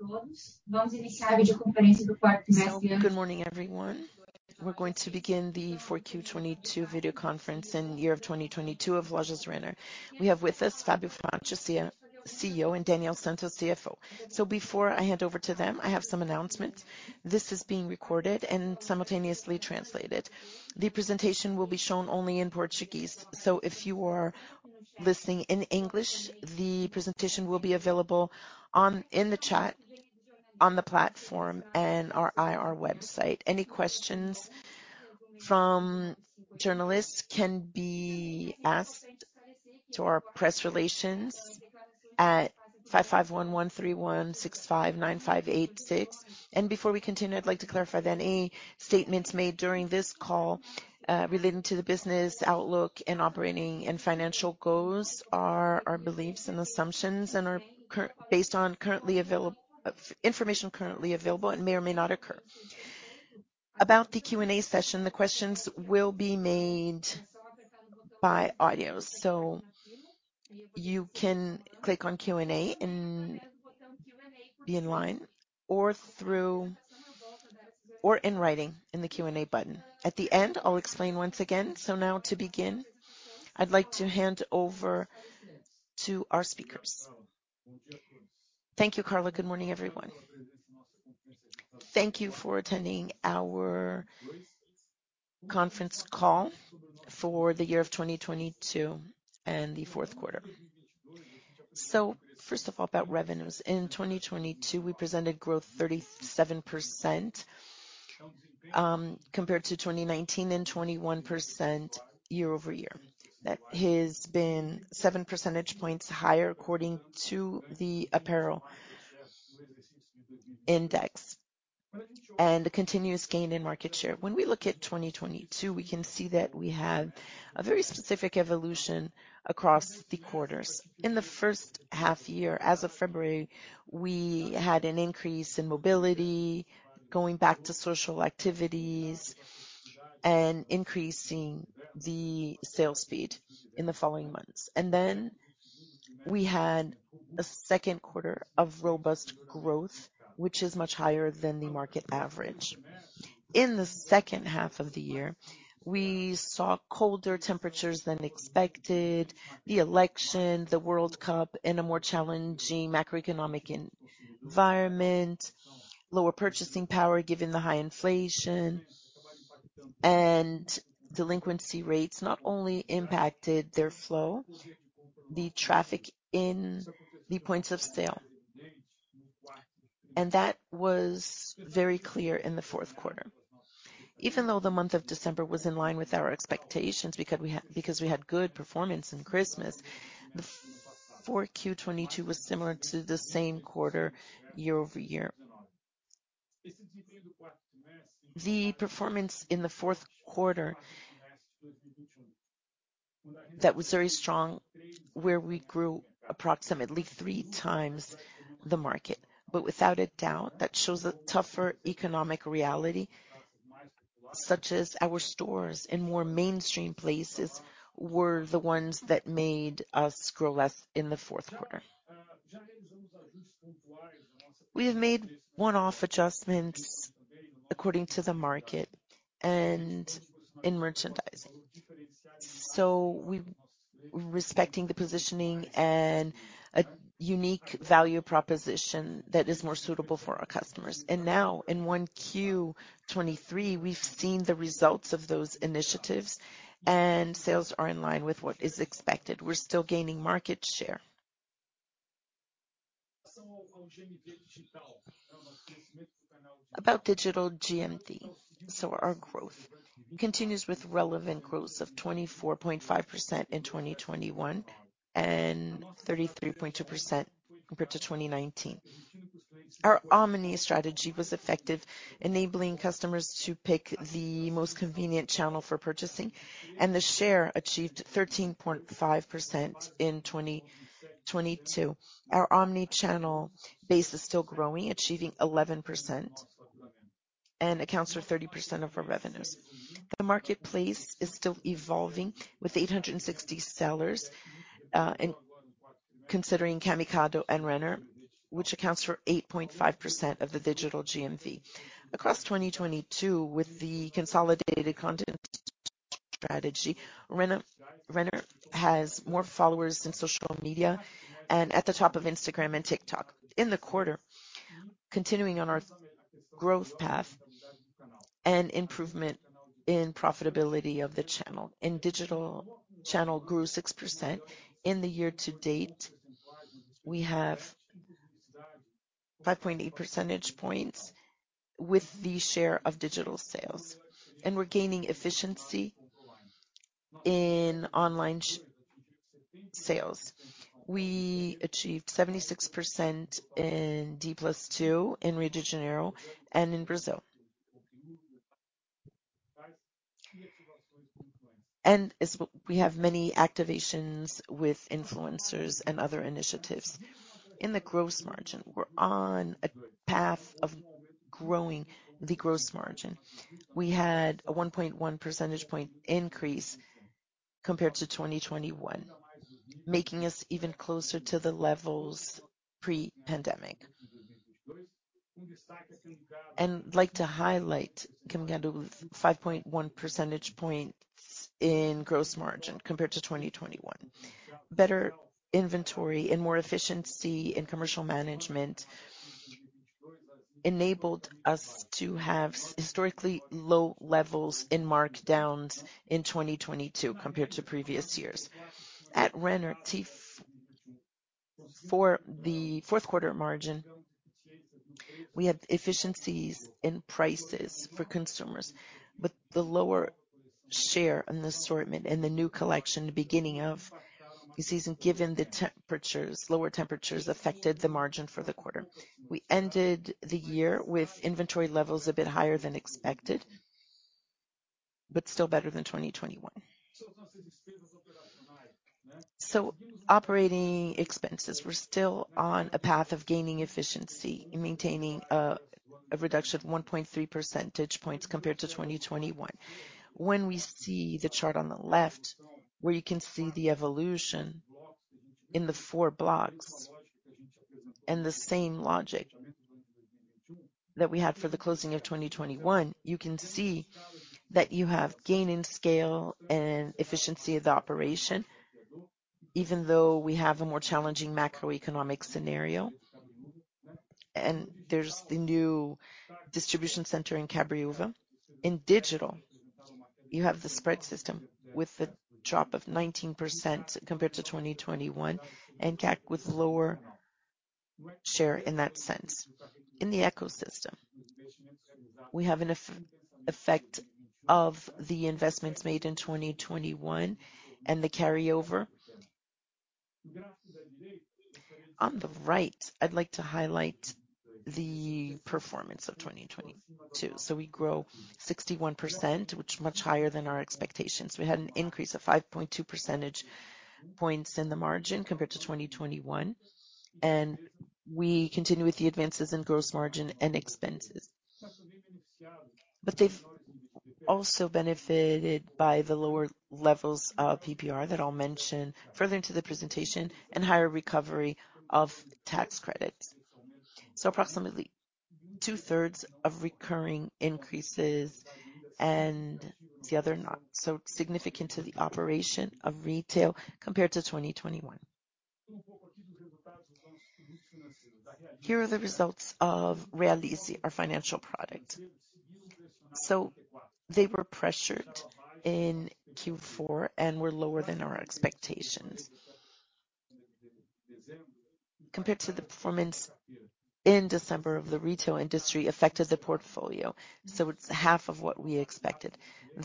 Good morning, everyone. We're going to begin the 4Q 2022 video conference in year of 2022 of Lojas Renner. We have with us Fabio Faccio, CEO, and Daniel Santos, CFO. Before I hand over to them, I have some announcements. This is being recorded and simultaneously translated. The presentation will be shown only in Portuguese. If you are listening in English, the presentation will be available in the chat, on the platform and our IR website. Any questions from journalists can be asked to our press relations at 551131659586. Before we continue, I'd like to clarify that any statements made during this call, relating to the business outlook and operating and financial goals are our beliefs and assumptions and are based on information currently available and may or may not occur. About the Q&A session, the questions will be made by audio. You can click on Q&A and be in line or in writing in the Q&A button. At the end, I'll explain once again. Now to begin, I'd like to hand over to our speakers. Thank you, Carla. Good morning, everyone. Thank you for attending our conference call for the year of 2022 and the fourth quarter. First of all, about revenues. In 2022, we presented growth 37% compared to 2019 and 21% year-over-year. That has been 7 percentage points higher according to the apparel index and a continuous gain in market share. When we look at 2022, we can see that we have a very specific evolution across the quarters. In the first half-year, as of February, we had an increase in mobility, going back to social activities and increasing the sales speed in the following months. We had a second quarter of robust growth, which is much higher than the market average. In the second half of the year, we saw colder temperatures than expected, the election, the World Cup in a more challenging macroeconomic environment, lower purchasing power given the high inflation and delinquency rates not only impacted their flow, the traffic in the points of sale. That was very clear in the fourth quarter. Even though the month of December was in line with our expectations because we had good performance in Christmas, the 4Q 2022 was similar to the same quarter year-over-year. The performance in the fourth quarter that was very strong, where we grew approximately three times the market. Without a doubt, that shows a tougher economic reality, such as our stores in more mainstream places were the ones that made us grow less in the fourth quarter. We have made one-off adjustments according to the market and in merchandising. Respecting the positioning and a unique value proposition that is more suitable for our customers. Now in 1Q 2023, we've seen the results of those initiatives, and sales are in line with what is expected. We're still gaining market share. About digital GMV. Our growth continues with relevant growth of 24.5% in 2021 and 33.2% compared to 2019. Our omni strategy was effective, enabling customers to pick the most convenient channel for purchasing, and the share achieved 13.5% in 2022. Our omni-channel base is still growing, achieving 11% and accounts for 30% of our revenues. The marketplace is still evolving with 860 sellers, considering Camicado and Renner, which accounts for 8.5% of the digital GMV. Across 2022, with the consolidated content strategy, Renner has more followers in social media and at the top of Instagram and TikTok. In the quarter, continuing on our growth path and improvement in profitability of the channel. Digital channel grew 6%. In the year to date, we have 5.8 percentage points with the share of digital sales. We're gaining efficiency in online sales. We achieved 76% in D+2 in Rio de Janeiro and in Brazil. We have many activations with influencers and other initiatives. In the gross margin, we're on a path of growing the gross margin. We had a 1.1 percentage point increase compared to 2021, making us even closer to the levels pre-pandemic. Like to highlight, coming down to 5.1 percentage points in gross margin compared to 2021. Better inventory and more efficiency in commercial management enabled us to have historically low levels in markdowns in 2022 compared to previous years. At Renner TV, for the fourth quarter margin, we had efficiencies in prices for consumers, but the lower share on the assortment and the new collection, the beginning of the season, given the temperatures, lower temperatures affected the margin for the quarter. We ended the year with inventory levels a bit higher than expected, but still better than 2021. Operating expenses, we're still on a path of gaining efficiency and maintaining a reduction of 1.3 percentage points compared to 2021. When we see the chart on the left where you can see the evolution in the four blocks and the same logic that we had for the closing of 2021, you can see that you have gain in scale and efficiency of the operation, even though we have a more challenging macroeconomic scenario. There's the new distribution center in Cabreúva. In digital, you have the spread system with a drop of 19% compared to 2021 and CAC with lower share in that sense. In the ecosystem, we have an effect of the investments made in 2021 and the carryover. On the right, I'd like to highlight the performance of 2022. We grow 61%, which much higher than our expectations. We had an increase of 5.2 percentage points in the margin compared to 2021, and we continue with the advances in gross margin and expenses. They've also benefited by the lower levels of PPR that I'll mention further into the presentation and higher recovery of tax credits. Approximately 2/3 of recurring increases and the other not so significant to the operation of retail compared to 2021. Here are the results of Realize, our financial product. They were pressured in Q4 and were lower than our expectations. Compared to the performance in December of the retail industry affected the portfolio, so it's half of what we expected.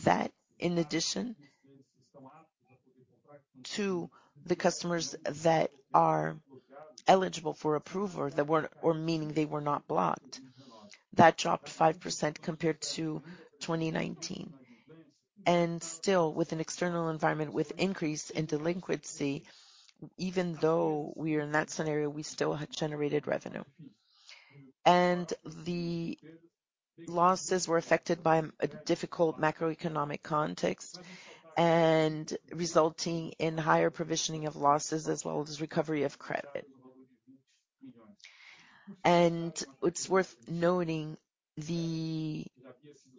That in addition to the customers that are eligible for approval or that were, meaning they were not blocked, that dropped 5% compared to 2019. Still, with an external environment with increase in delinquency, even though we are in that scenario, we still had generated revenue. The losses were affected by a difficult macroeconomic context and resulting in higher provisioning of losses as well as recovery of credit. It's worth noting the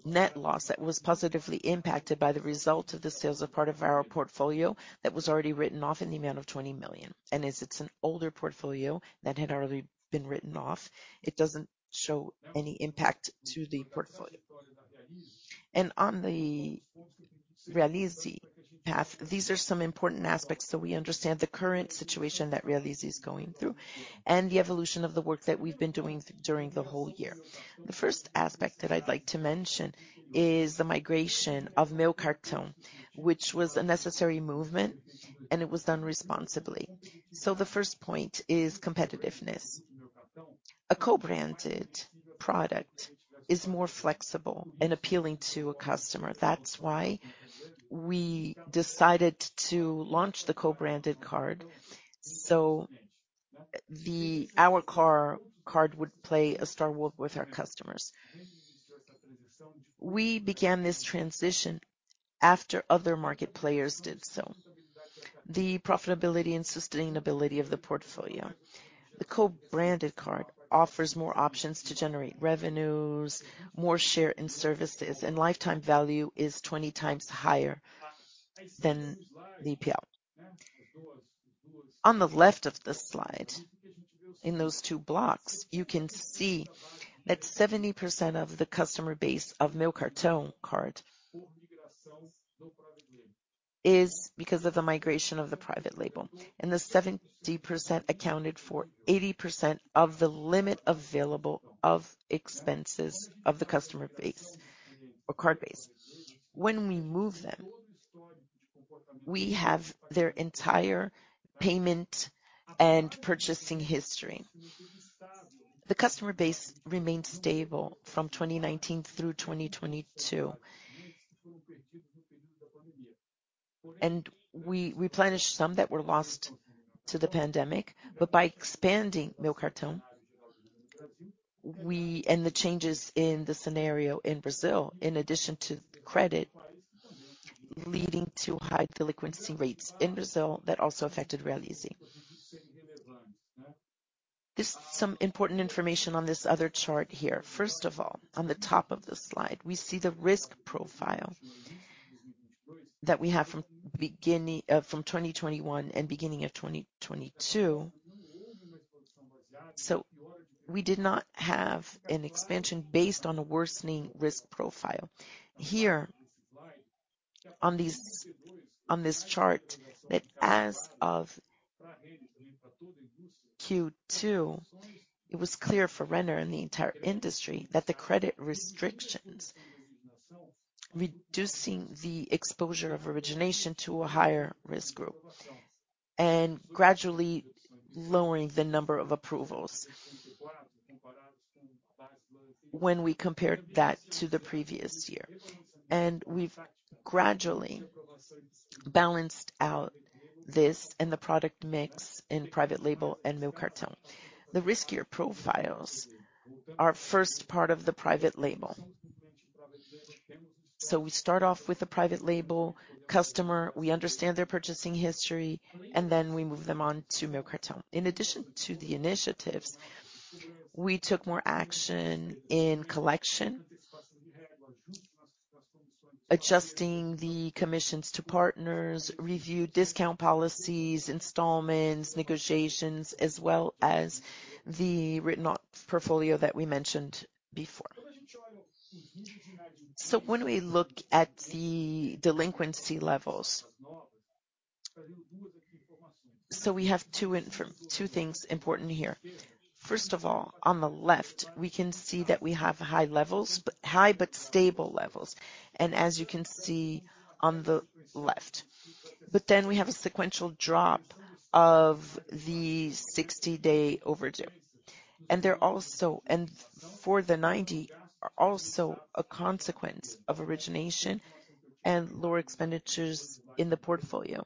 net loss that was positively impacted by the result of the sales of part of our portfolio that was already written off in the amount of 20 million. As it's an older portfolio that had already been written off, it doesn't show any impact to the portfolio. On the Realize path, these are some important aspects so we understand the current situation that Realize is going through and the evolution of the work that we've been doing during the whole year. The first aspect that I'd like to mention is the migration of Meu Cartão, which was a necessary movement, and it was done responsibly. The first point is competitiveness. A co-branded product is more flexible and appealing to a customer. That's why we decided to launch the co-branded card, our card would play a star role with our customers. We began this transition after other market players did so. The profitability and sustainability of the portfolio. The co-branded card offers more options to generate revenues, more share in services, and lifetime value is 20 times higher than the PL. On the left of the slide, in those two blocks, you can see that 70% of the customer base of Meu Cartão card is because of the migration of the private label, and the 70% accounted for 80% of the limit available of expenses of the customer base or card base. When we move them, we have their entire payment and purchasing history. The customer base remained stable from 2019 through 2022. We replenished some that were lost to the pandemic. By expanding Meu Cartão, and the changes in the scenario in Brazil, in addition to credit leading to high delinquency rates in Brazil, that also affected Realize. There's some important information on this other chart here. First of all, on the top of the slide, we see the risk profile that we have from 2021 and beginning of 2022. We did not have an expansion based on a worsening risk profile. Here on this chart that as of Q2, it was clear for Renner and the entire industry that the credit restrictions, reducing the exposure of origination to a higher risk group, and gradually lowering the number of approvals when we compared that to the previous year. We've gradually balanced out this in the product mix in private label and Meu Cartão. The riskier profiles are first part of the private label. We start off with a private label customer, we understand their purchasing history, and then we move them on to Meu Cartão. In addition to the initiatives, we took more action in collection, adjusting the commissions to partners, reviewed discount policies, installments, negotiations, as well as the written off portfolio that we mentioned before. When we look at the delinquency levels, we have two things important here. First of all, on the left, we can see that we have high levels, high but stable levels, as you can see on the left. We have a sequential drop of the 60-day overdue. For the 90 are also a consequence of origination and lower expenditures in the portfolio.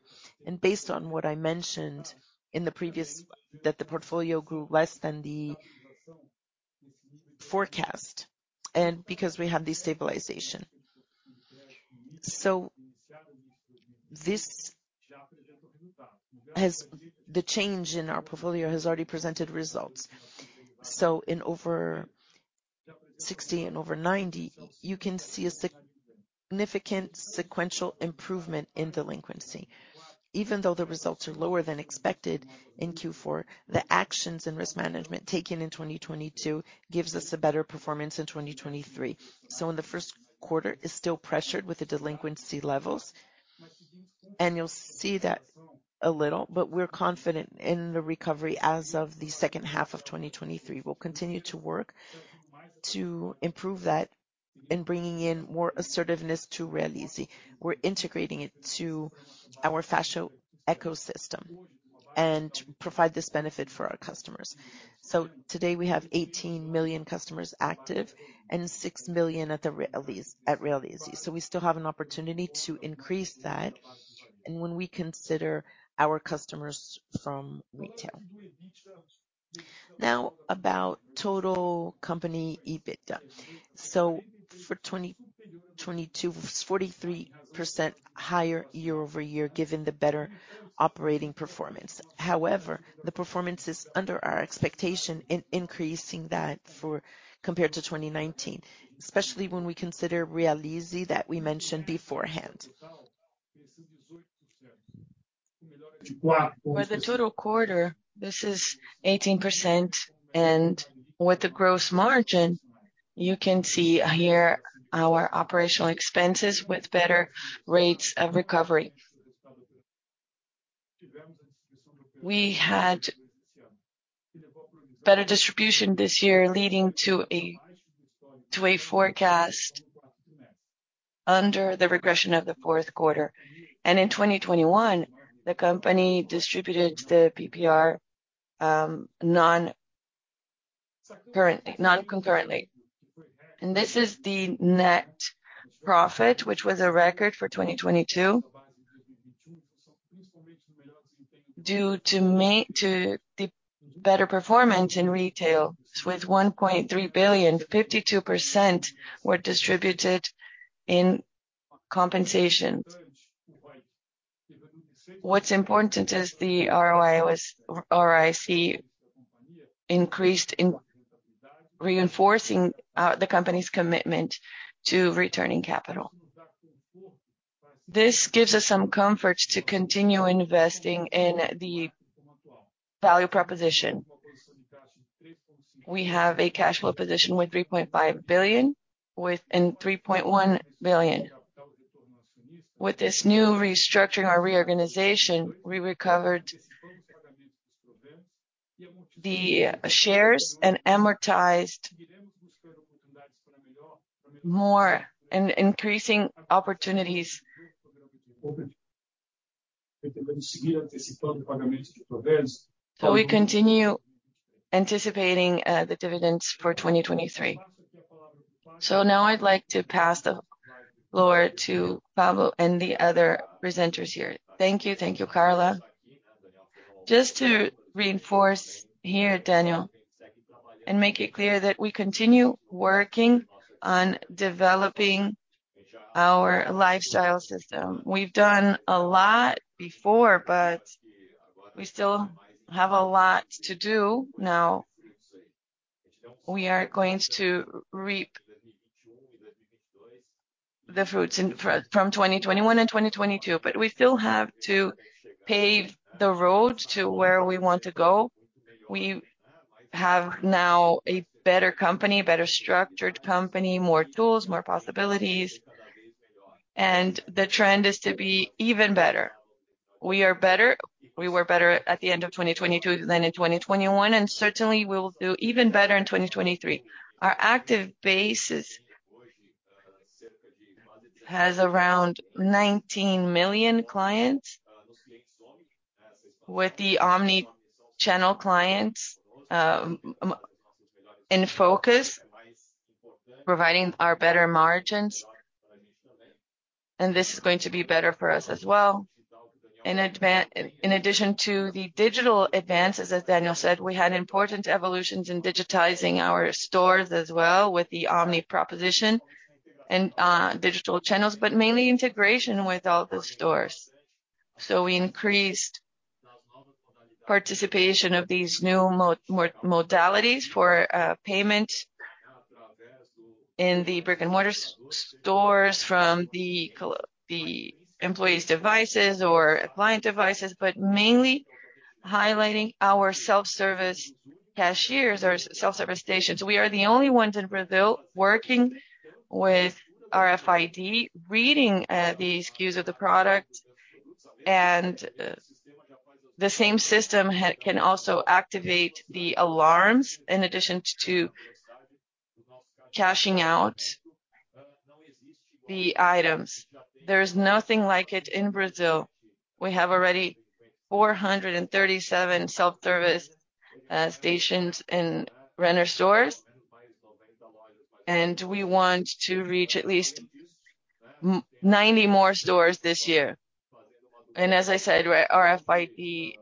Based on what I mentioned in the previous, that the portfolio grew less than the forecast, and because we have this stabilization. The change in our portfolio has already presented results. In over 60 and over 90, you can see a significant sequential improvement in delinquency. Even though the results are lower than expected in Q4, the actions and risk management taken in 2022 gives us a better performance in 2023. In the first quarter is still pressured with the delinquency levels, and you'll see that a little, but we're confident in the recovery as of the second half of 2023. We'll continue to work to improve that in bringing in more assertiveness to Realize. We're integrating it to our fashion ecosystem and provide this benefit for our customers. Today we have 18 million customers active and 6 million at Realize. We still have an opportunity to increase that, and when we consider our customers from retail. Now about total company EBITDA. For 2022, it was 43% higher year-over-year, given the better operating performance. The performance is under our expectation in increasing that for compared to 2019, especially when we consider Realize that we mentioned beforehand. For the total quarter, this is 18%. With the gross margin, you can see here our OpEx with better rates of recovery. We had better distribution this year, leading to a forecast under the regression of the fourth quarter. In 2021, the company distributed the PPR non-currently, non-concurrently. This is the net profit, which was a record for 2022. Due to the better performance in retail with 1.3 billion, 52% were distributed in compensations. What's important is the ROIC increased in reinforcing the company's commitment to returning capital. This gives us some comfort to continue investing in the value proposition. We have a cash flow position with 3.5 billion and 3.1 billion. With this new restructuring or reorganization, we recovered the shares and amortized more in increasing opportunities. We continue anticipating, the dividends for 2023. Now I'd like to pass the floor to Fabio and the other presenters here. Thank you. Thank you, Carla. Just to reinforce here, Daniel, make it clear that we continue working on developing our lifestyle system. We've done a lot before, we still have a lot to do now. We are going to reap the fruits from 2021 and 2022, we still have to pave the road to where we want to go. We have now a better company, a better structured company, more tools, more possibilities, the trend is to be even better. We are better. We were better at the end of 2022 than in 2021, certainly, we will do even better in 2023. Our active base has around 19 million clients. With the omni-channel clients in focus, providing our better margins, this is going to be better for us as well. In addition to the digital advances, as Daniel said, we had important evolutions in digitizing our stores as well with the omni proposition and digital channels, mainly integration with all the stores. We increased participation of these new modalities for payment in the brick-and-mortar stores from the employees' devices or client devices, mainly highlighting our self-service cashiers or self-service stations. We are the only ones in Brazil working with RFID, reading the SKUs of the product, the same system can also activate the alarms in addition to cashing out the items. There's nothing like it in Brazil. We have already 437 self-service stations in Renner stores. We want to reach at least 90 more stores this year. As I said, RFID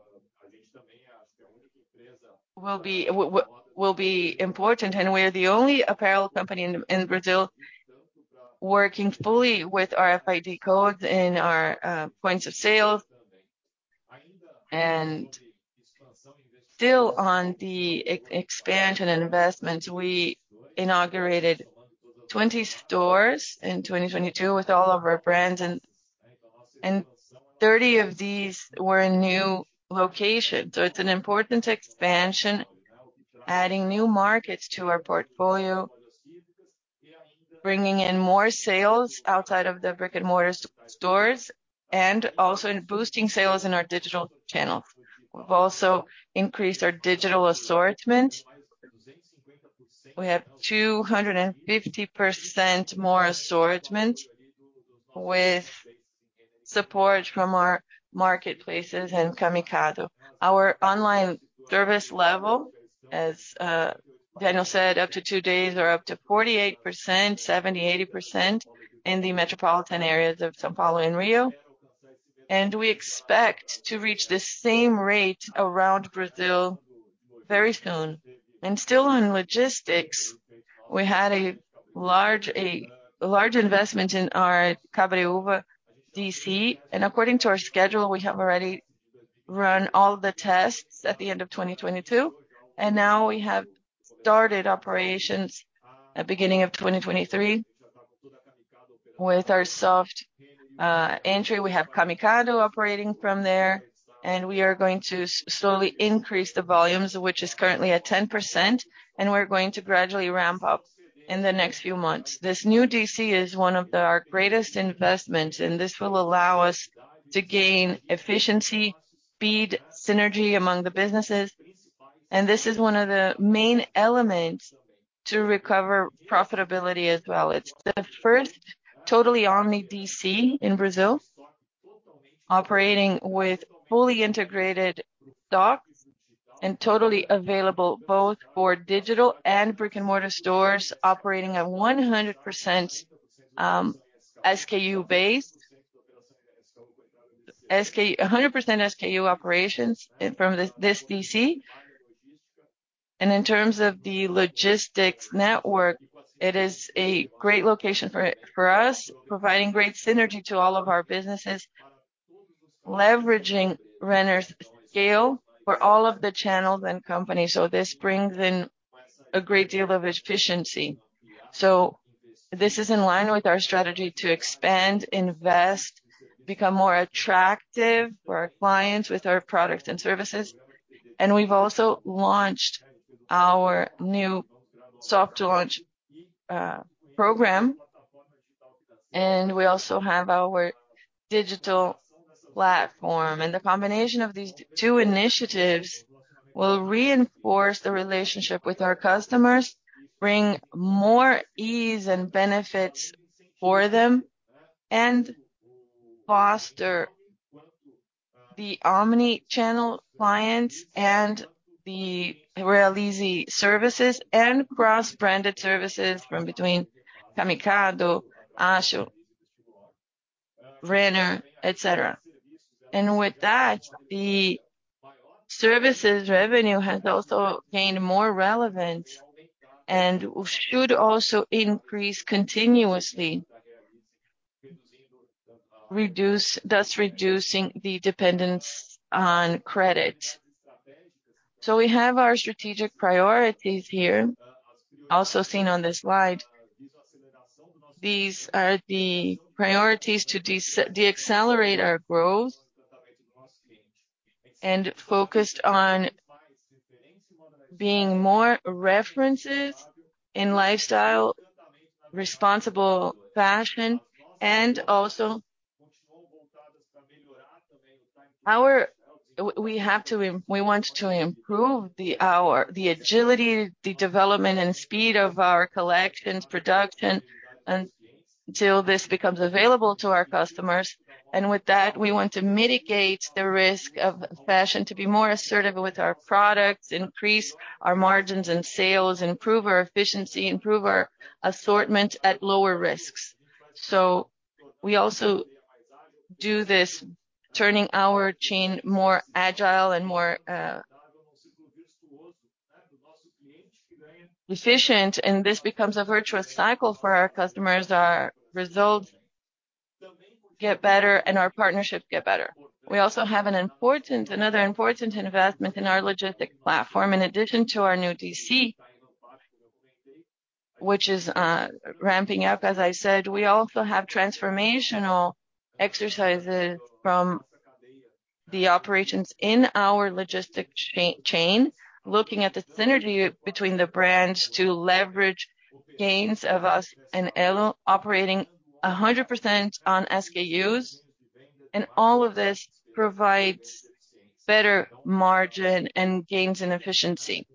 will be important, and we're the only apparel company in Brazil working fully with RFID codes in our points of sale. Still on the E-expansion and investments, we inaugurated 20 stores in 2022 with all of our brands, and 30 of these were in new locations. It's an important expansion, adding new markets to our portfolio, bringing in more sales outside of the brick-and-mortar stores and also in boosting sales in our digital channels. We've also increased our digital assortment. We have 250% more assortment with support from our marketplaces and Camicado. Our online service level, as Daniel Santos said, up to two days or up to 48%, 70%-80% in the metropolitan areas of São Paulo and Rio, we expect to reach the same rate around Brazil very soon. Still on logistics, we had a large investment in our Cabreúva DC. According to our schedule, we have already run all the tests at the end of 2022, now we have started operations at beginning of 2023. With our soft entry, we have Camicado operating from there, we are going to slowly increase the volumes, which is currently at 10%, we're going to gradually ramp up in the next few months. This new DC is one of our greatest investments. This will allow us to gain efficiency, speed, synergy among the businesses. This is one of the main elements to recover profitability as well. It's the first totally omni DC in Brazil, operating with fully integrated stock and totally available both for digital and brick-and-mortar stores, operating at 100% SKU-based. 100% SKU operations from this DC. In terms of the logistics network, it is a great location for us, providing great synergy to all of our businesses, leveraging Renner's scale for all of the channels and companies. This brings in a great deal of efficiency. This is in line with our strategy to expand, invest, become more attractive for our clients with our products and services. We've also launched our new soft launch program, and we also have our digital platform. The combination of these two initiatives will reinforce the relationship with our customers, bring more ease and benefits for them, and foster the omni-channel clients and the Realize services and cross-branded services from between Camicado, Ashua, Renner, et cetera. With that, the services revenue has also gained more relevance and should also increase continuously. Thus reducing the dependence on credit. We have our strategic priorities here, also seen on this slide. These are the priorities to deaccelerate our growth and focused on being more references in lifestyle, responsible fashion. Also, we want to improve the agility, the development, and speed of our collections production until this becomes available to our customers. With that, we want to mitigate the risk of fashion to be more assertive with our products, increase our margins and sales, improve our efficiency, improve our assortment at lower risks. We also do this, turning our chain more agile and more efficient, and this becomes a virtuous cycle for our customers. Our results get better and our partnership get better. We also have another important investment in our logistic platform. In addition to our new DC, which is ramping up, as I said, we also have transformational exercises from the operations in our logistic chain, looking at the synergy between the brands to leverage gains of us and Elo operating 100% on SKUs. All of this provides better margin and gains and efficiency,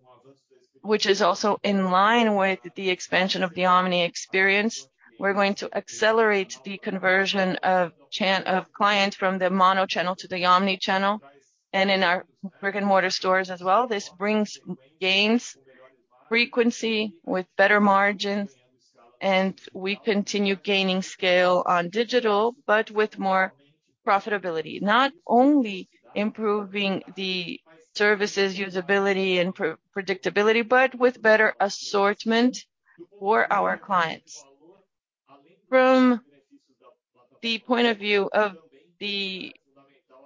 which is also in line with the expansion of the omni experience. We're going to accelerate the conversion of clients from the mono channel to the omni-channel and in our brick-and-mortar stores as well. This brings gains, frequency with better margins. We continue gaining scale on digital, with more profitability. Not only improving the services usability and predictability, with better assortment for our clients. From the point of view of the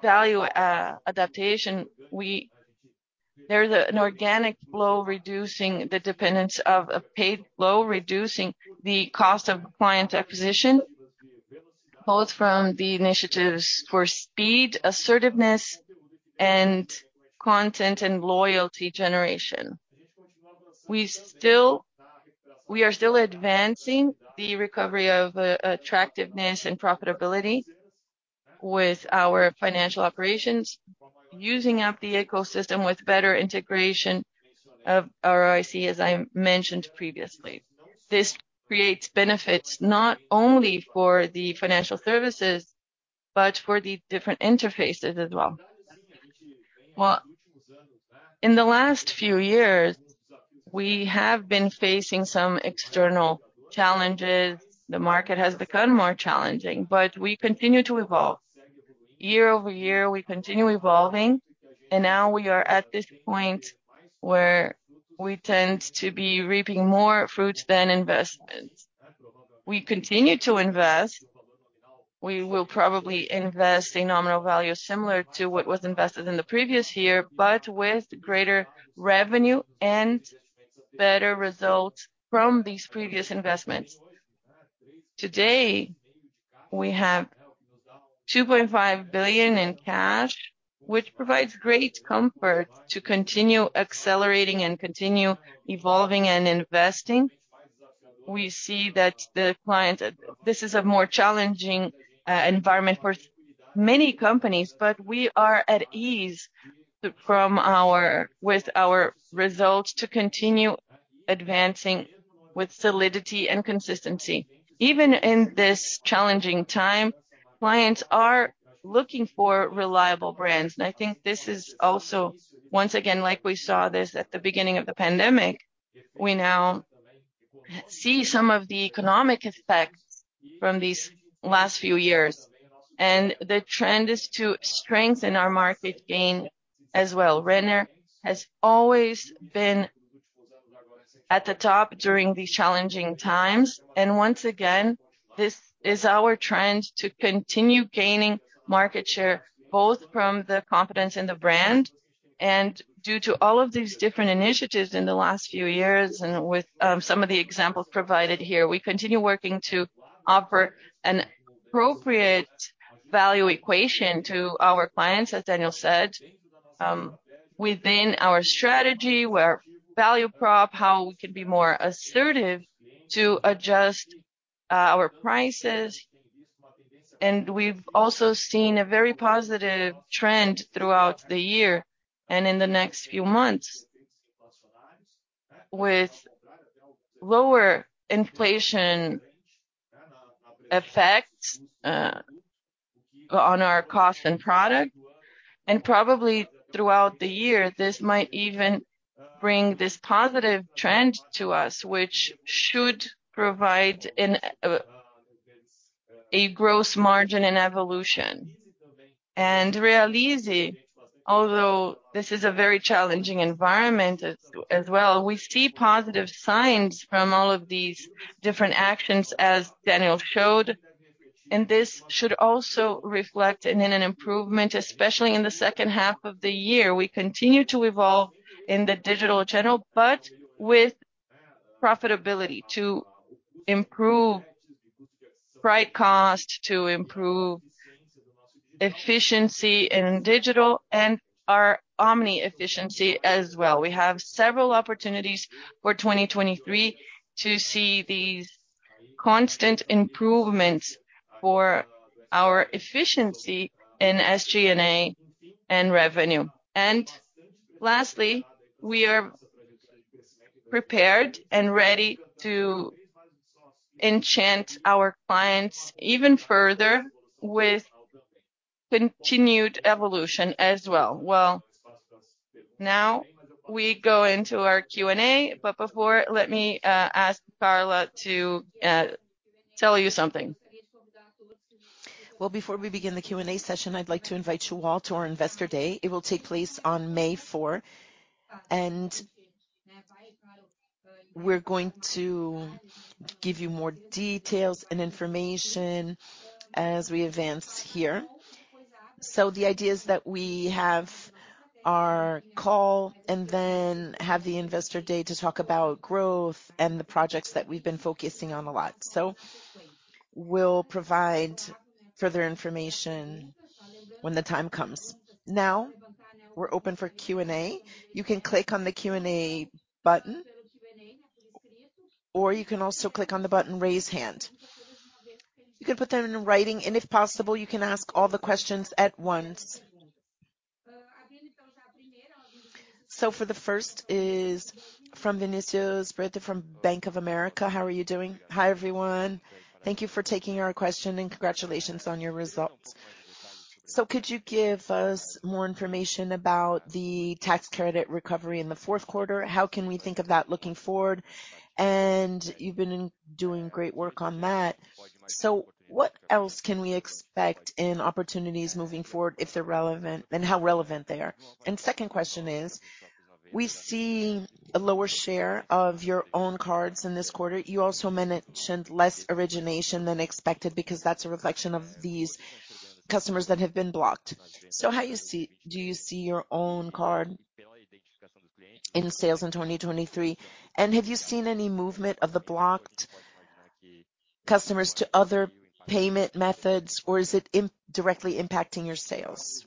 value adaptation, there's an organic flow reducing the dependence of a paid flow, reducing the cost of client acquisition, both from the initiatives for speed, assertiveness, and content and loyalty generation. We are still advancing the recovery of attractiveness and profitability with our financial operations, using up the ecosystem with better integration of ROIC, as I mentioned previously. This creates benefits not only for the financial services, for the different interfaces as well. Well, in the last few years, we have been facing some external challenges. The market has become more challenging. We continue to evolve. Year-over-year, we continue evolving. Now we are at this point where we tend to be reaping more fruits than investments. We continue to invest. We will probably invest a nominal value similar to what was invested in the previous year. With greater revenue and better results from these previous investments. Today, we have 2.5 billion in cash, which provides great comfort to continue accelerating and continue evolving and investing. We see that this is a more challenging environment for many companies. We are at ease with our results to continue advancing with solidity and consistency. Even in this challenging time, clients are looking for reliable brands. I think this is also, once again, like we saw this at the beginning of the pandemic, we now see some of the economic effects from these last few years. The trend is to strengthen our market gain as well. Renner has always been at the top during these challenging times. Once again, this is our trend to continue gaining market share, both from the confidence in the brand and due to all of these different initiatives in the last few years and with some of the examples provided here. We continue working to offer an appropriate value equation to our clients, as Daniel said, within our strategy, where value prop, how we can be more assertive to adjust our prices. We've also seen a very positive trend throughout the year and in the next few months with lower inflation effects on our cost and product, and probably throughout the year, this might even bring this positive trend to us, which should provide a gross margin in evolution. Realize, although this is a very challenging environment as well, we see positive signs from all of these different actions as Daniel showed, and this should also reflect in an improvement, especially in the second half of the year. We continue to evolve in the digital channel, but with profitability to improve price cost, to improve efficiency in digital and our omni efficiency as well. We have several opportunities for 2023 to see these constant improvements for our efficiency in SG&A and revenue. Lastly, we are prepared and ready to enchant our clients even further with continued evolution as well. Now we go into our Q&A. Before, let me ask Carla to tell you something. Well, before we begin the Q&A session, I'd like to invite you all to our Investor Day. It will take place on May fourth. We're going to give you more details and information as we advance here. The idea is that we have our call and then have the Investor Day to talk about growth and the projects that we've been focusing on a lot. We'll provide further information when the time comes. Now, we're open for Q&A. You can click on the Q&A button, or you can also click on the button Raise Hand. You can put them in writing, and if possible, you can ask all the questions at once. For the first is from Vinicius Britto from Bank of America. How are you doing? Hi, everyone. Thank you for taking our question, and congratulations on your results. Could you give us more information about the tax credit recovery in the fourth quarter? How can we think of that looking forward? You've been doing great work on that. What else can we expect in opportunities moving forward if they're relevant, and how relevant they are? Second question is, we see a lower share of your own cards in this quarter. You also mentioned less origination than expected because that's a reflection of these customers that have been blocked. Do you see your own card in sales in 2023? Have you seen any movement of the blocked customers to other payment methods, or is it directly impacting your sales?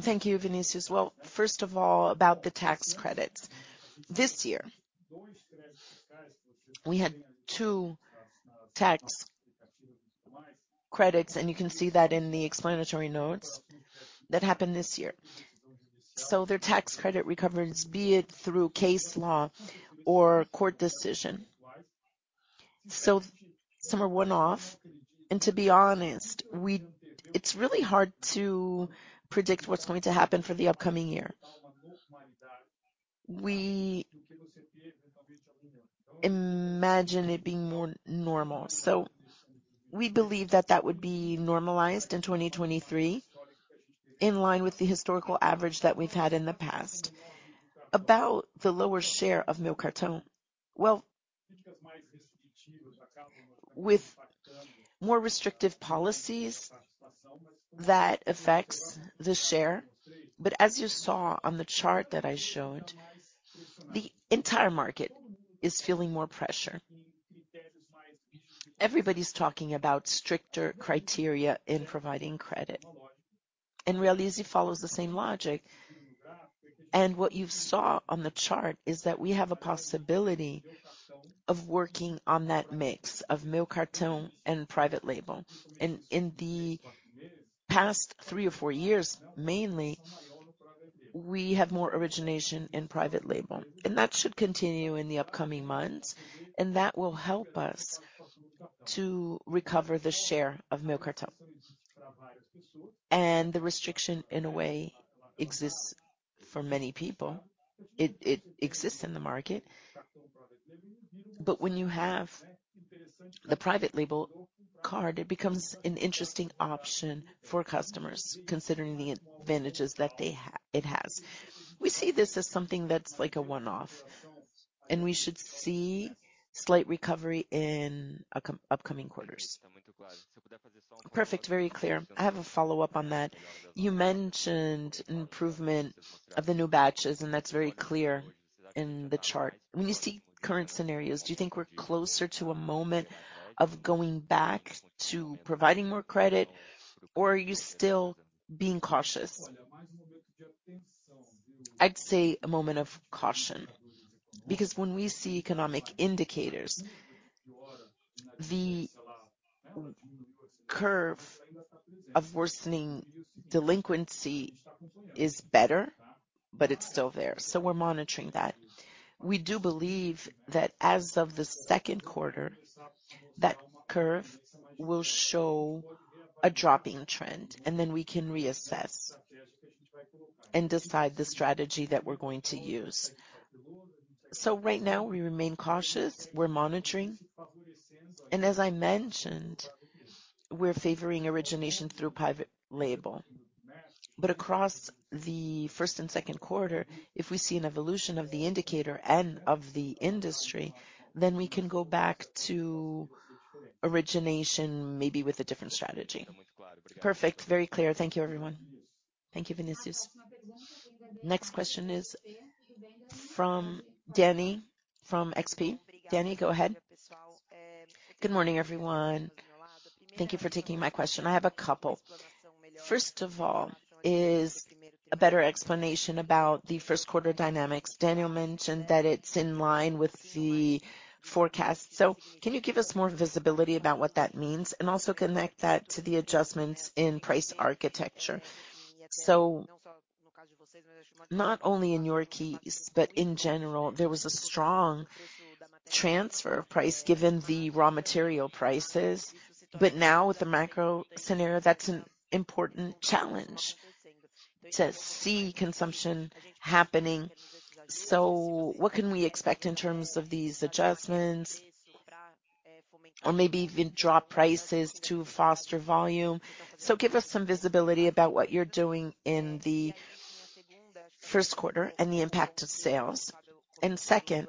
Thank you, Vinicius. Well, first of all, about the tax credits. This year, we had two tax credits, and you can see that in the explanatory notes that happened this year. Their tax credit recovery is be it through case law or court decision. Some are one-off. To be honest, it's really hard to predict what's going to happen for the upcoming year. We imagine it being more normal. We believe that that would be normalized in 2023, in line with the historical average that we've had in the past. About the lower share of Meu Cartão. Well, with more restrictive policies, that affects the share. As you saw on the chart that I showed, the entire market is feeling more pressure. Everybody's talking about stricter criteria in providing credit. Realize follows the same logic. What you've saw on the chart is that we have a possibility of working on that mix of Meu Cartão and private label. In the past three or four years, mainly, we have more origination in private label, and that should continue in the upcoming months, and that will help us to recover the share of Meu Cartão. The restriction, in a way, exists for many people. It exists in the market. When you have the private label card, it becomes an interesting option for customers, considering the advantages that it has. We see this as something that's like a one-off, and we should see slight recovery in upcoming quarters. Perfect. Very clear. I have a follow-up on that. You mentioned improvement of the new batches, and that's very clear in the chart. When you see current scenarios, do you think we're closer to a moment of going back to providing more credit, or are you still being cautious? I'd say a moment of caution, because when we see economic indicators. The curve of worsening delinquency is better, but it's still there. We're monitoring that. We do believe that as of the second quarter, that curve will show a dropping trend, then we can reassess and decide the strategy that we're going to use. Right now, we remain cautious. We're monitoring, as I mentioned, we're favoring origination through private label. Across the first and second quarter, if we see an evolution of the indicator and of the industry, we can go back to origination, maybe with a different strategy. Perfect. Very clear. Thank you, everyone. Thank you, Vinicius. Next question is from Danny from XP. Danny, go ahead. Good morning, everyone. Thank you for taking my question. I have a couple. First of all is a better explanation about the first quarter dynamics. Daniel Santos mentioned that it's in line with the forecast. Can you give us more visibility about what that means and also connect that to the adjustments in price architecture? Not only in your case, but in general, there was a strong transfer of price given the raw material prices. Now with the macro scenario, that's an important challenge to see consumption happening. What can we expect in terms of these adjustments or maybe even drop prices to foster volume? Give us some visibility about what you're doing in the first quarter and the impact of sales. Second,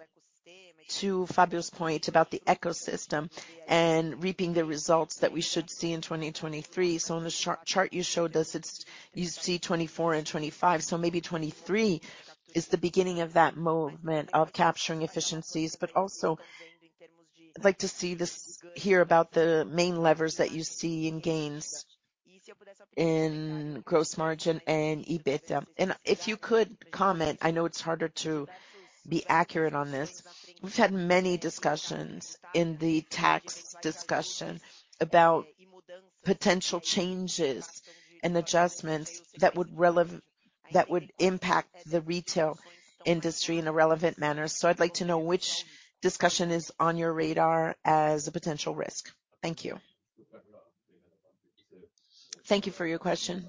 to Fabio Faccio's point about the ecosystem and reaping the results that we should see in 2023. On the chart you showed us, you see 2024 and 2025. Maybe 2023 is the beginning of that movement of capturing efficiencies. Also, I'd like to hear about the main levers that you see in gains in gross margin and EBITDA. If you could comment, I know it's harder to be accurate on this. We've had many discussions in the tax discussion about potential changes and adjustments that would impact the retail industry in a relevant manner. I'd like to know which discussion is on your radar as a potential risk. Thank you for your question.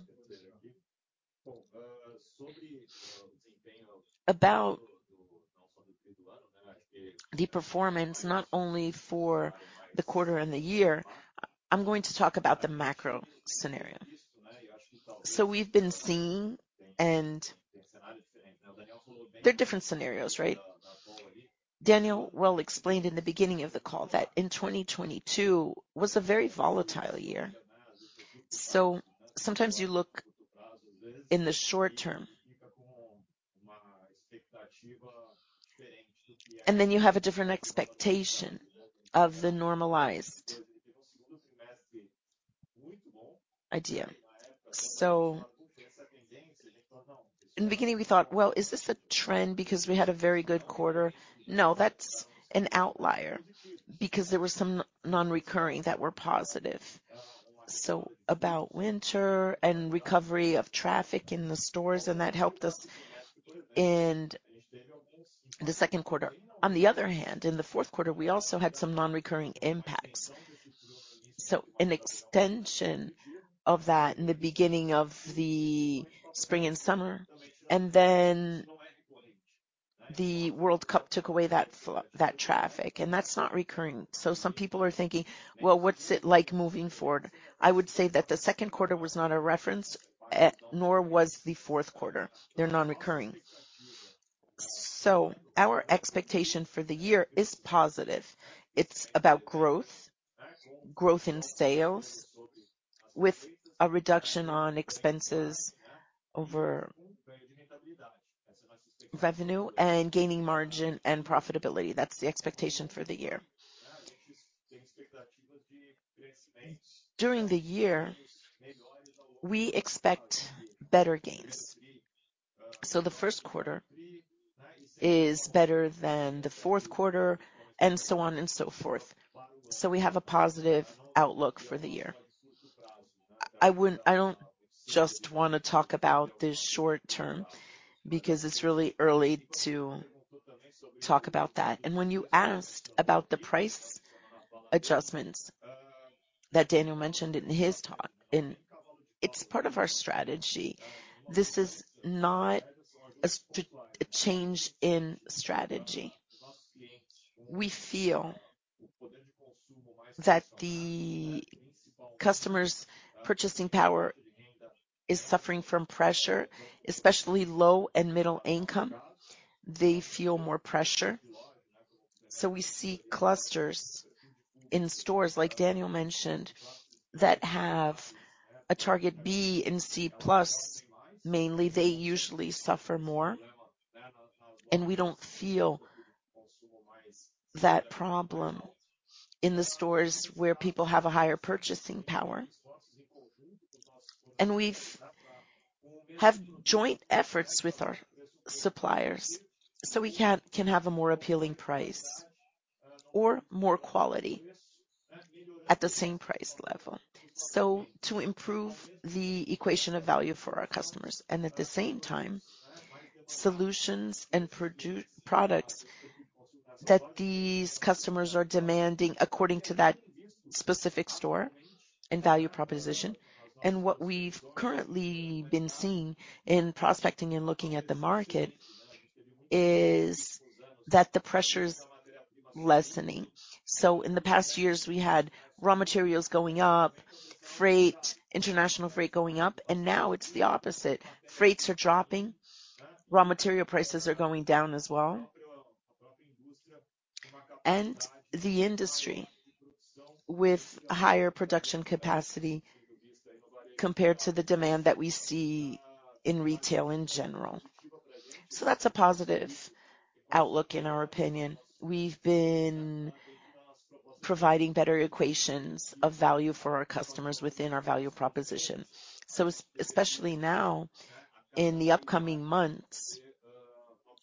About the performance, not only for the quarter and the year, I'm going to talk about the macro scenario. We've been seeing and they're different scenarios, right? Daniel well explained in the beginning of the call that in 2022 was a very volatile year. Sometimes you look in the short term, and then you have a different expectation of the normalized idea. In the beginning, we thought, well, is this a trend because we had a very good quarter? No, that's an outlier because there were some non-recurring that were positive. About winter and recovery of traffic in the stores, and that helped us in the second quarter. On the other hand, in the fourth quarter, we also had some non-recurring impacts. An extension of that in the beginning of the spring and summer, and then the World Cup took away that traffic, and that's not recurring. Some people are thinking, well, what's it like moving forward? I would say that the second quarter was not a reference, nor was the fourth quarter. They're non-recurring. Our expectation for the year is positive. It's about growth in sales with a reduction on expenses over revenue and gaining margin and profitability. That's the expectation for the year. During the year, we expect better gains. The first quarter is better than the fourth quarter, and so on and so forth. We have a positive outlook for the year. I wouldn't I don't just wanna talk about the short term because it's really early to talk about that. When you asked about the price adjustments that Daniel mentioned in his talk, and it's part of our strategy, this is not a change in strategy. We feel that the customers' purchasing power is suffering from pressure, especially low and middle income, they feel more pressure. We see clusters in stores, like Daniel mentioned, that have a target B and C plus, mainly, they usually suffer more. We don't feel that problem in the stores where people have a higher purchasing power. We've have joint efforts with our suppliers, so we can have a more appealing price or more quality at the same price level. To improve the equation of value for our customers and at the same time, solutions and products that these customers are demanding according to that specific store and value proposition. What we've currently been seeing in prospecting and looking at the market is that the pressure is lessening. In the past years, we had raw materials going up, freight, international freight going up, and now it's the opposite. Freights are dropping. Raw material prices are going down as well. The industry with higher production capacity compared to the demand that we see in retail in general. That's a positive outlook in our opinion. We've been providing better equations of value for our customers within our value proposition. Especially now in the upcoming months,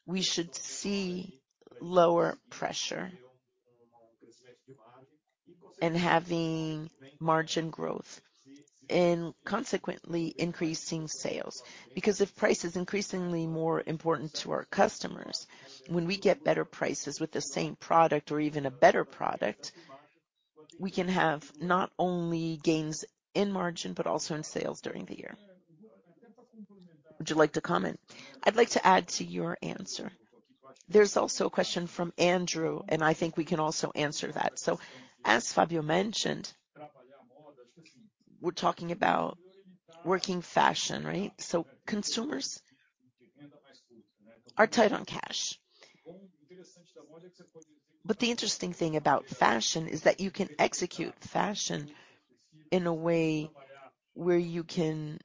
we should see lower pressure and having margin growth and consequently increasing sales. If price is increasingly more important to our customers, when we get better prices with the same product or even a better product, we can have not only gains in margin, but also in sales during the year. Would you like to comment? I'd like to add to your answer. There's also a question from Andrew. I think we can also answer that. As Fabio mentioned, we're talking about working fashion, right? Consumers are tight on cash. The interesting thing about fashion is that you can execute fashion in a way where you can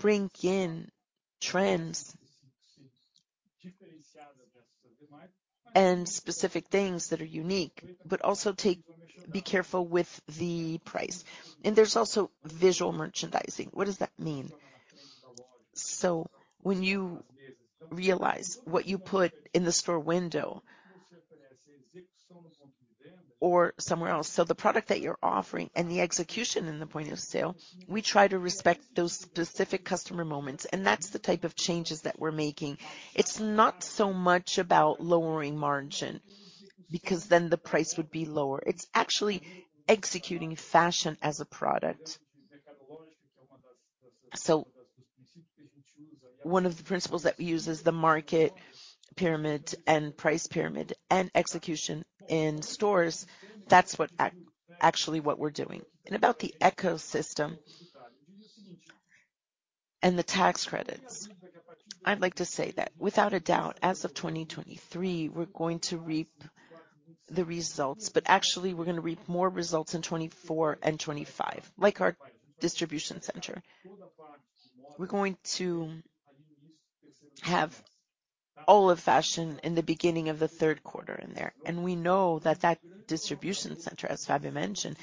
bring in trends and specific things that are unique, but also be careful with the price. There's also visual merchandising. What does that mean? When you realize what you put in the store window or somewhere else, the product that you're offering and the execution in the point of sale, we try to respect those specific customer moments, and that's the type of changes that we're making. It's not so much about lowering margin because then the price would be lower. It's actually executing fashion as a product. One of the principles that we use is the market pyramid and price pyramid and execution in stores. That's actually what we're doing. About the ecosystem and the tax credits, I'd like to say that without a doubt, as of 2023, we're going to reap the results, but actually we're gonna reap more results in 24 and 25, like our distribution center. We're going to have all of fashion in the beginning of the third quarter in there. We know that that distribution center, as Fabio mentioned,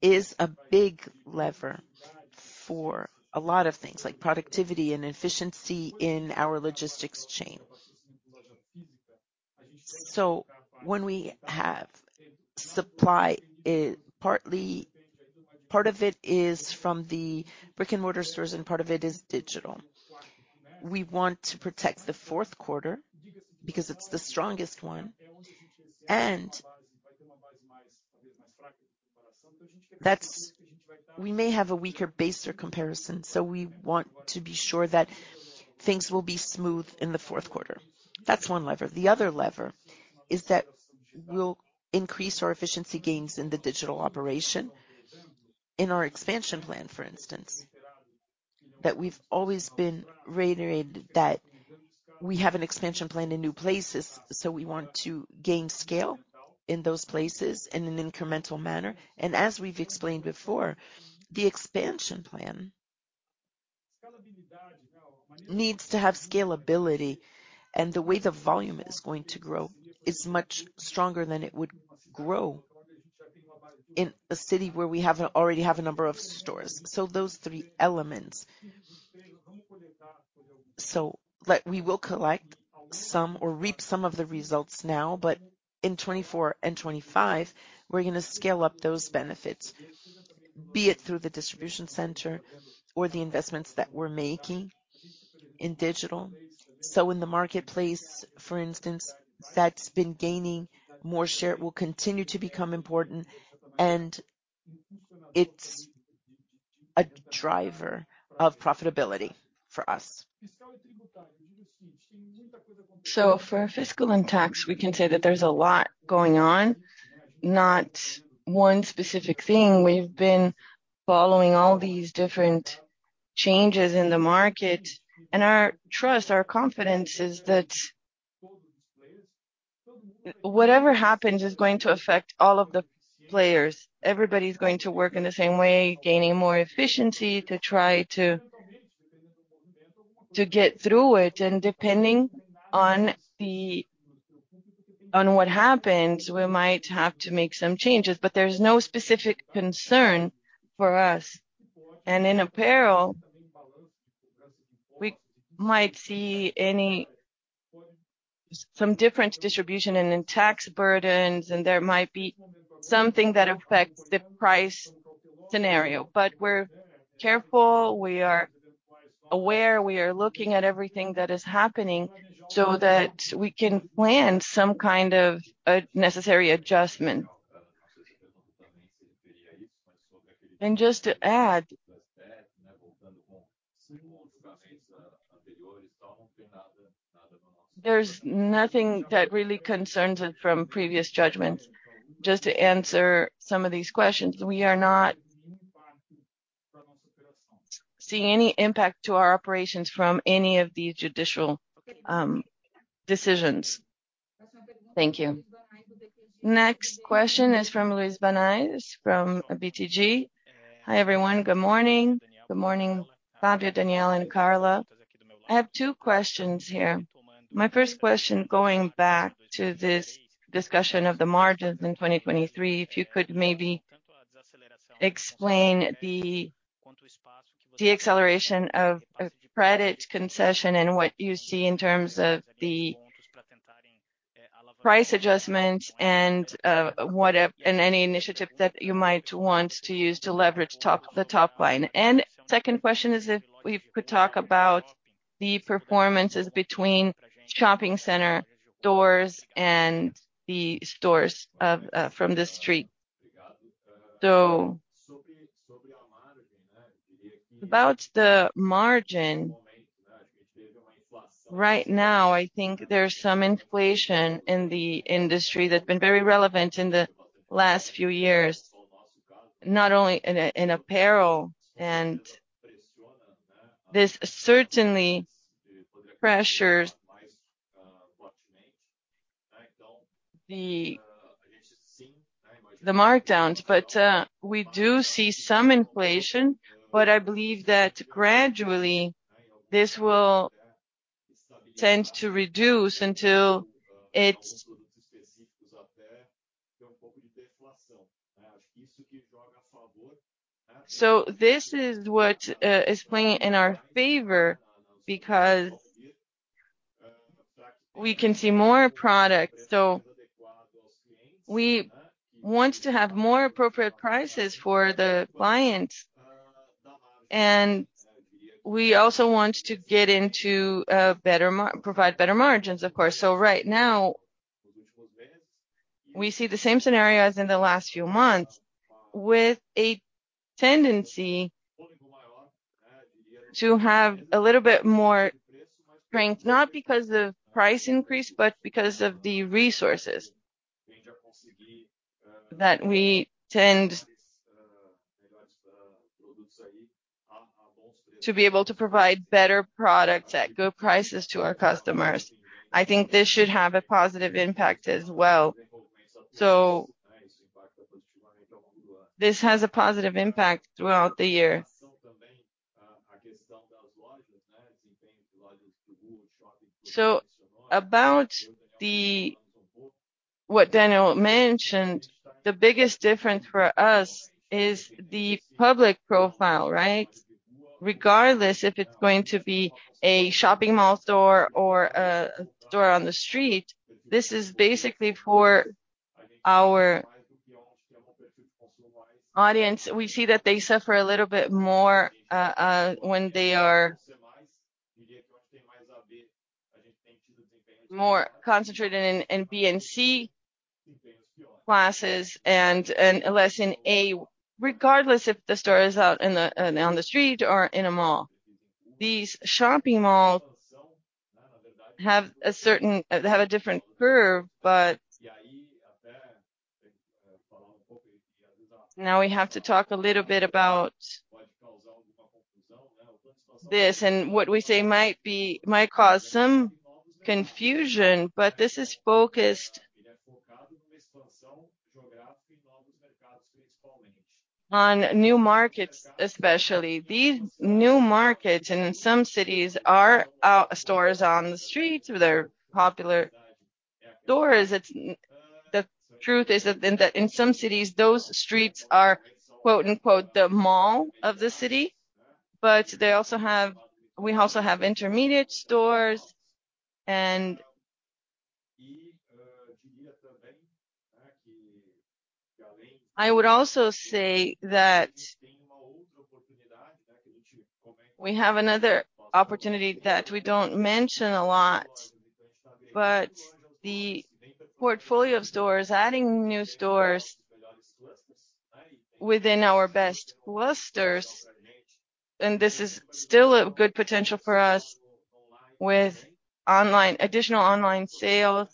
is a big lever for a lot of things like productivity and efficiency in our logistics chain. When we have supply, part of it is from the brick-and-mortar stores and part of it is digital. We want to protect the fourth quarter because it's the strongest one. That's we may have a weaker base or comparison, we want to be sure that things will be smooth in the fourth quarter. That's one lever. The other lever is that we'll increase our efficiency gains in the digital operation. In our expansion plan, for instance, that we've always been reiterating that we have an expansion plan in new places, we want to gain scale in those places in an incremental manner. As we've explained before, the expansion plan needs to have scalability, and the way the volume is going to grow is much stronger than it would grow in a city where we already have a number of stores. Those three elements. Like we will collect some or reap some of the results now, but in 2024 and 2025, we're gonna scale up those benefits, be it through the distribution center or the investments that we're making in digital. In the marketplace, for instance, that's been gaining more share. It will continue to become important and it's a driver of profitability for us. For fiscal and tax, we can say that there's a lot going on, not one specific thing. We've been following all these different changes in the market, and our trust, our confidence is that whatever happens is going to affect all of the players. Everybody's going to work in the same way, gaining more efficiency to get through it. Depending on what happens, we might have to make some changes, but there's no specific concern for us. In apparel, we might see some different distribution and in tax burdens, and there might be something that affects the price scenario. We're careful, we are aware, we are looking at everything that is happening so that we can plan some kind of a necessary adjustment. Just to add, there's nothing that really concerns us from previous judgments. Just to answer some of these questions, we are not seeing any impact to our operations from any of the judicial decisions. Thank you. Next question is from Luiz Guanais, from BTG. Hi, everyone. Good morning. Good morning, Fabio, Daniel, and Carla. I have two questions here. My first question, going back to this discussion of the margins in 2023, if you could maybe explain the acceleration of credit concession and what you see in terms of the price adjustments and what and any initiative that you might want to use to leverage the top line. Second question is if we could talk about the performances between shopping center doors and the stores from the street. About the margin, right now, I think there's some inflation in the industry that's been very relevant in the last few years, not only in apparel. This certainly pressures the markdowns. We do see some inflation, but I believe that gradually this will tend to reduce until it's. This is what is playing in our favor because we can see more products. We want to have more appropriate prices for the clients, and we also want to provide better margins, of course. Right now, we see the same scenarios in the last few months with a tendency to have a little bit more strength, not because of price increase, but because of the resources that we tend to be able to provide better products at good prices to our customers. I think this should have a positive impact as well. This has a positive impact throughout the year. About what Daniel mentioned, the biggest difference for us is the public profile, right? Regardless if it's going to be a shopping mall store or a store on the street, this is basically for our audience. We see that they suffer a little bit more when they are more concentrated in B and C classes and less in A, regardless if the store is out in the on the street or in a mall. These shopping malls have a different curve. Now we have to talk a little bit about this and what we say might cause some confusion. This is focused on new markets, especially. These new markets in some cities are stores on the streets. They're popular stores. The truth is that in some cities, those streets are, quote, unquote, "the mall of the city," but we also have intermediate stores. I would also say that we have another opportunity that we don't mention a lot, but the portfolio of stores, adding new stores within our best clusters, and this is still a good potential for us with online additional online sales.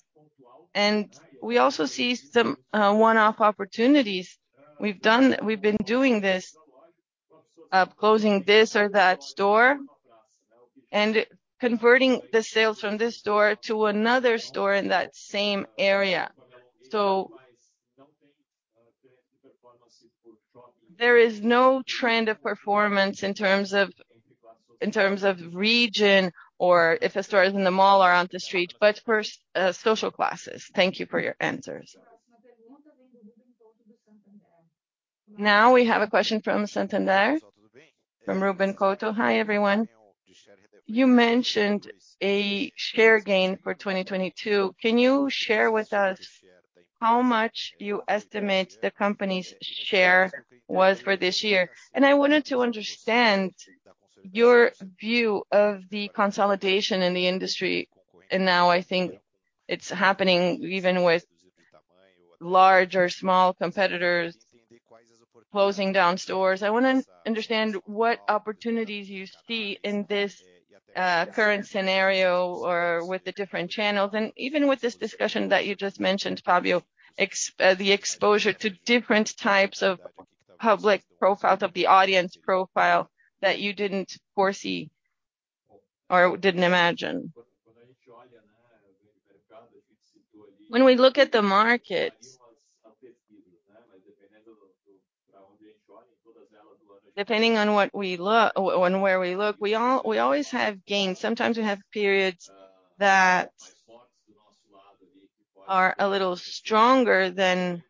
We also see some one-off opportunities. We've been doing this, closing this or that store and converting the sales from this store to another store in that same area. There is no trend of performance in terms of region or if a store is in the mall or on the street, but first, social classes. Thank you for your answers. We have a question from Santander, from Ruben Couto. Hi, everyone. You mentioned a share gain for 2022. Can you share with us how much you estimate the company's share was for this year? I wanted to understand your view of the consolidation in the industry and now I think it's happening even with large or small competitors closing down stores. I wanna understand what opportunities you see in this current scenario or with the different channels, and even with this discussion that you just mentioned, Fabio, the exposure to different types of public profiles, of the audience profile that you didn't foresee or didn't imagine. When we look at the market, depending on what we on where we look, we always have gains. Sometimes we have periods that are a little stronger than...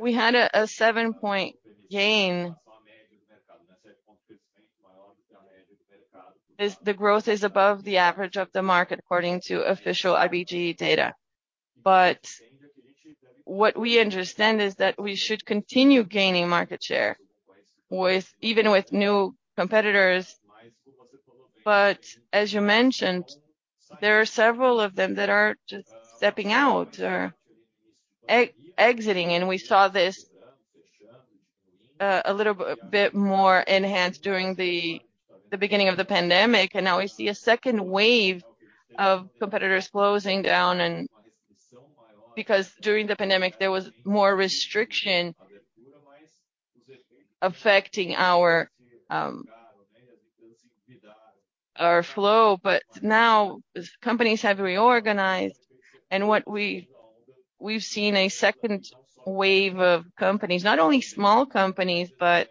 We had a 7-point gain. Is the growth is above the average of the market according to official IBGE data. What we understand is that we should continue gaining market share with even with new competitors. As you mentioned, there are several of them that are just stepping out or exiting, and we saw this a little bit more enhanced during the beginning of the pandemic, and now we see a second wave of competitors closing down. During the pandemic, there was more restriction affecting our flow. Now, as companies have reorganized and what we've seen a second wave of companies, not only small companies, but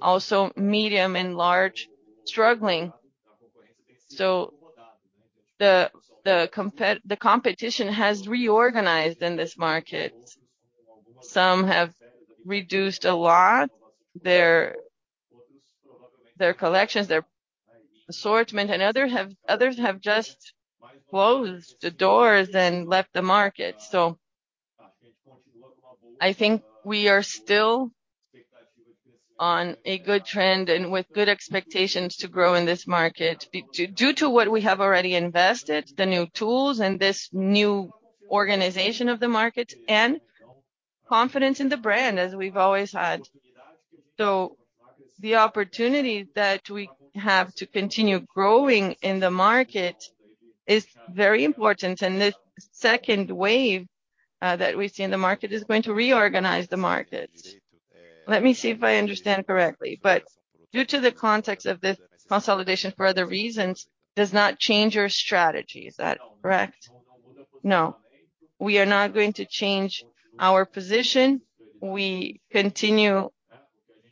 also medium and large struggling. The competition has reorganized in this market. Some have reduced a lot their collections, their assortment, and others have just closed the doors and left the market. I think we are still on a good trend and with good expectations to grow in this market due to what we have already invested, the new tools and this new organization of the market and confidence in the brand as we've always had. The opportunity that we have to continue growing in the market is very important, and this second wave that we see in the market is going to reorganize the market. Let me see if I understand correctly. Due to the context of this consolidation for other reasons does not change your strategy. Is that correct? No. We are not going to change our position. We continue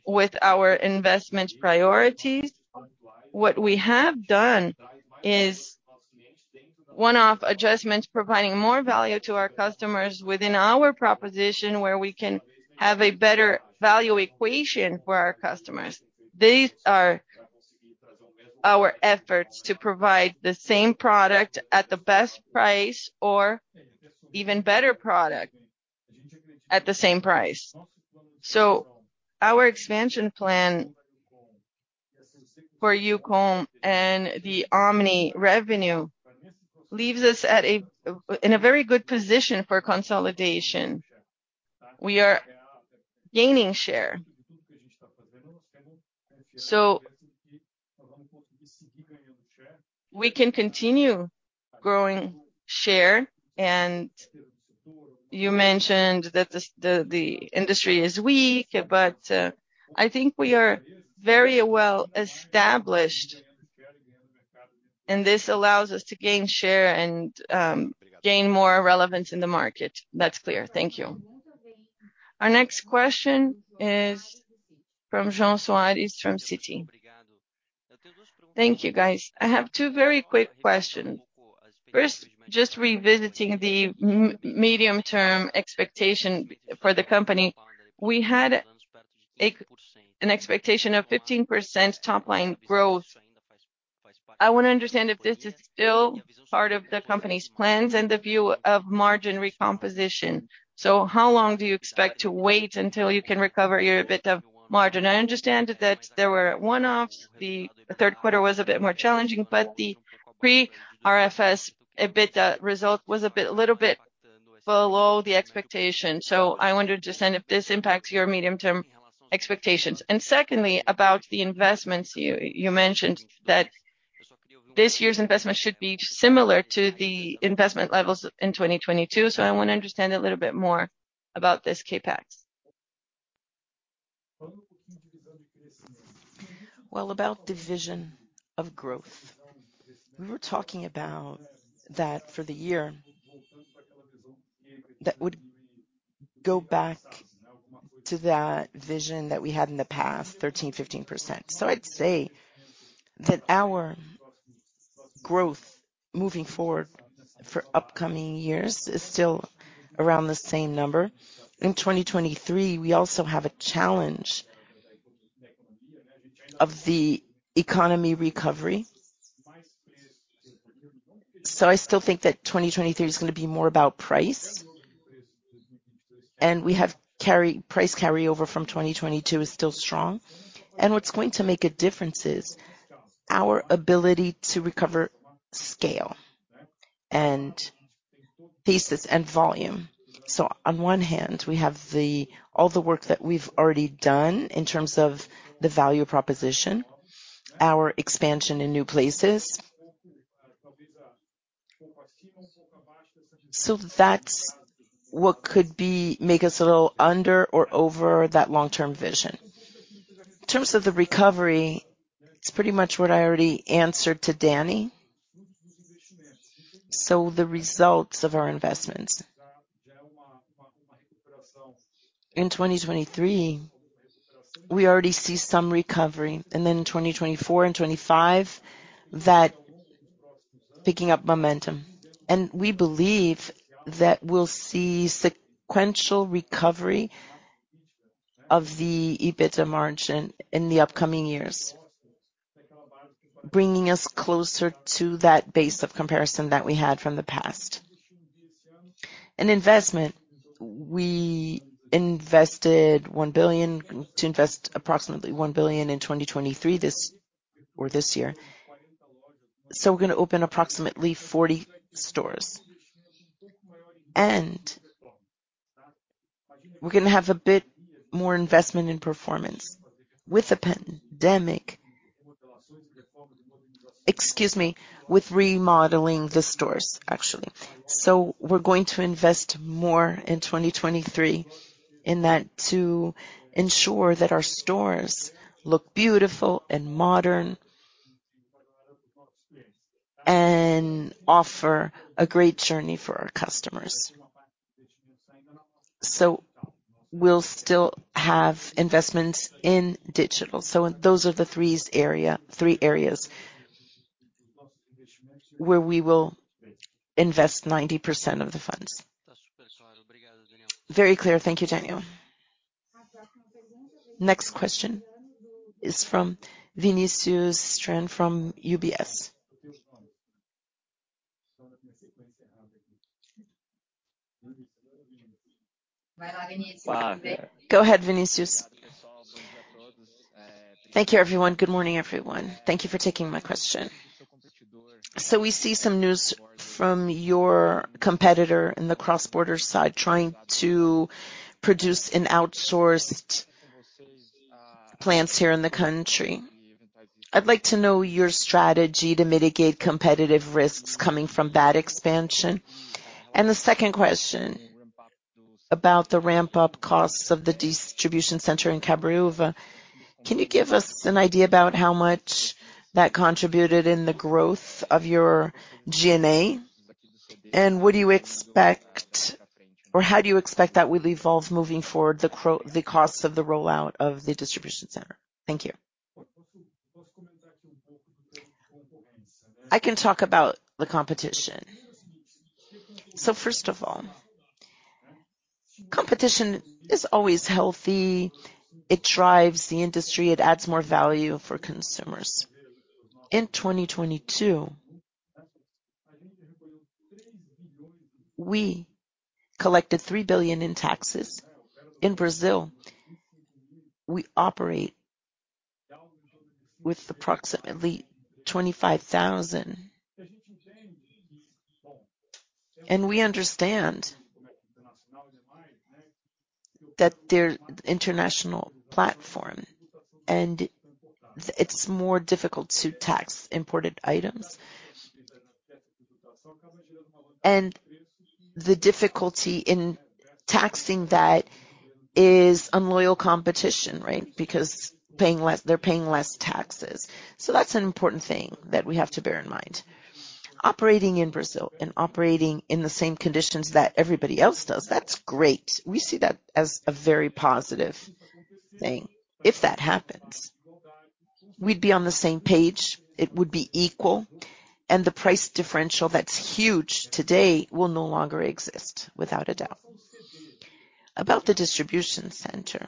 with our investment priorities. What we have done is one-off adjustments, providing more value to our customers within our proposition, where we can have a better value equation for our customers. These are our efforts to provide the same product at the best price or even better product at the same price. Our expansion plan for Youcom and the omni revenue leaves us in a very good position for consolidation. We are gaining share. We can continue growing share. You mentioned that the industry is weak, but I think we are very well established, and this allows us to gain share and gain more relevance in the market. That's clear. Thank you. Our next question is from João Soares from Citi. Thank you, guys. I have two very quick questions. First, just revisiting the medium-term expectation for the company. We had an expectation of 15% top line growth. I wanna understand if this is still part of the company's plans and the view of margin recomposition. How long do you expect to wait until you can recover your EBIT of margin? I understand that there were one-offs. The third quarter was a bit more challenging, but the pre-RFS EBIT result was a little bit below the expectation. I wonder, just then, if this impacts your medium-term expectations. Secondly, about the investments. You mentioned that this year's investment should be similar to the investment levels in 2022. I wanna understand a little bit more about this CapEx. Well, about division of growth, we were talking about that for the year that would go back to that vision that we had in the past, 13%, 15%. I'd say that our growth moving forward for upcoming years is still around the same number. In 2023, we also have a challenge of the economy recovery. I still think that 2023 is gonna be more about price. We have price carryover from 2022 is still strong. What's going to make a difference is our ability to recover scale and thesis and volume. On one hand, we have the, all the work that we've already done in terms of the value proposition, our expansion in new places. That's what make us a little under or over that long-term vision. In terms of the recovery, it's pretty much what I already answered to Danny. The results of our investments. In 2023, we already see some recovery, and then in 2024 and 2025, that picking up momentum. We believe that we'll see sequential recovery of the EBITDA margin in the upcoming years, bringing us closer to that base of comparison that we had from the past. In investment, to invest approximately 1 billion in 2023 this, or this year. We're gonna open approximately 40 stores. We're gonna have a bit more investment in performance with the pandemic. Excuse me, with remodeling the stores, actually. We're going to invest more in 2023 in that to ensure that our stores look beautiful and modern and offer a great journey for our customers. We'll still have investments in digital. Those are the three areas where we will invest 90% of the funds. Very clear. Thank you, Daniel. Next question is from Vinicius Strano from UBS. Go ahead, Vinicius. Thank you, everyone. Good morning, everyone. Thank you for taking my question. We see some news from your competitor in the cross-border side trying to produce an outsourced plants here in the country. I'd like to know your strategy to mitigate competitive risks coming from that expansion. The second question about the ramp-up costs of the distribution center in Cabreuva. Can you give us an idea about how much that contributed in the growth of your G&A? What do you expect, or how do you expect that will evolve moving forward, the costs of the rollout of the distribution center? Thank you. I can talk about the competition. First of all, competition is always healthy. It drives the industry, it adds more value for consumers. In 2022, we collected 3 billion in taxes. In Brazil, we operate with approximately 25,000. We understand that their international platform, and it's more difficult to tax imported items. The difficulty in taxing that is unloyal competition, right? They're paying less taxes. That's an important thing that we have to bear in mind. Operating in Brazil and operating in the same conditions that everybody else does, that's great. We see that as a very positive thing. If that happens, we'd be on the same page, it would be equal, and the price differential that's huge today will no longer exist, without a doubt. About the distribution center,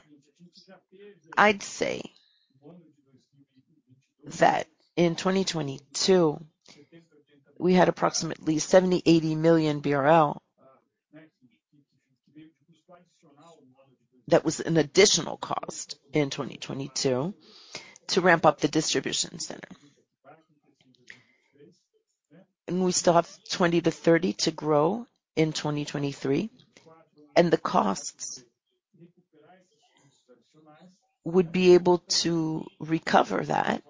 I'd say that in 2022, we had approximately 70 million-80 million BRL. That was an additional cost in 2022 to ramp up the distribution center. We still have 20-30 to grow in 2023, and the costs would be able to recover that.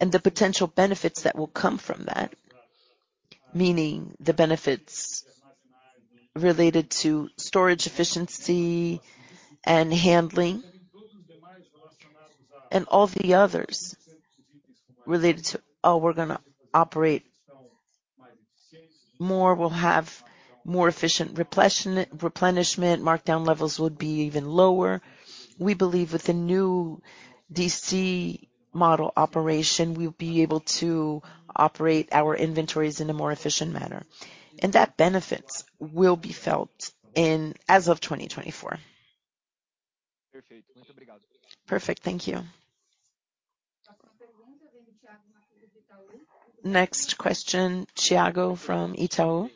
The potential benefits that will come from that, meaning the benefits related to storage efficiency and handling and all the others related to, we're gonna operate more, we'll have more efficient replenishment, markdown levels would be even lower. We believe with the new DC model operation, we'll be able to operate our inventories in a more efficient manner, and that benefits will be felt in as of 2024. Perfect. Thank you. Next question, Thiago from Itaú.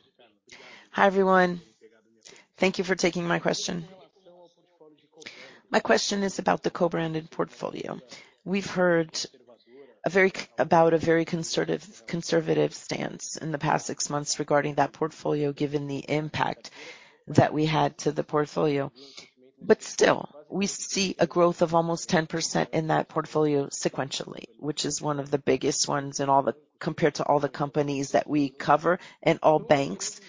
Hi, everyone. Thank you for taking my question. My question is about the co-branded portfolio. We've heard about a very conservative stance in the past six months regarding that portfolio, given the impact that we had to the portfolio. Still, we see a growth of almost 10% in that portfolio sequentially, which is one of the biggest ones compared to all the companies that we cover and all banks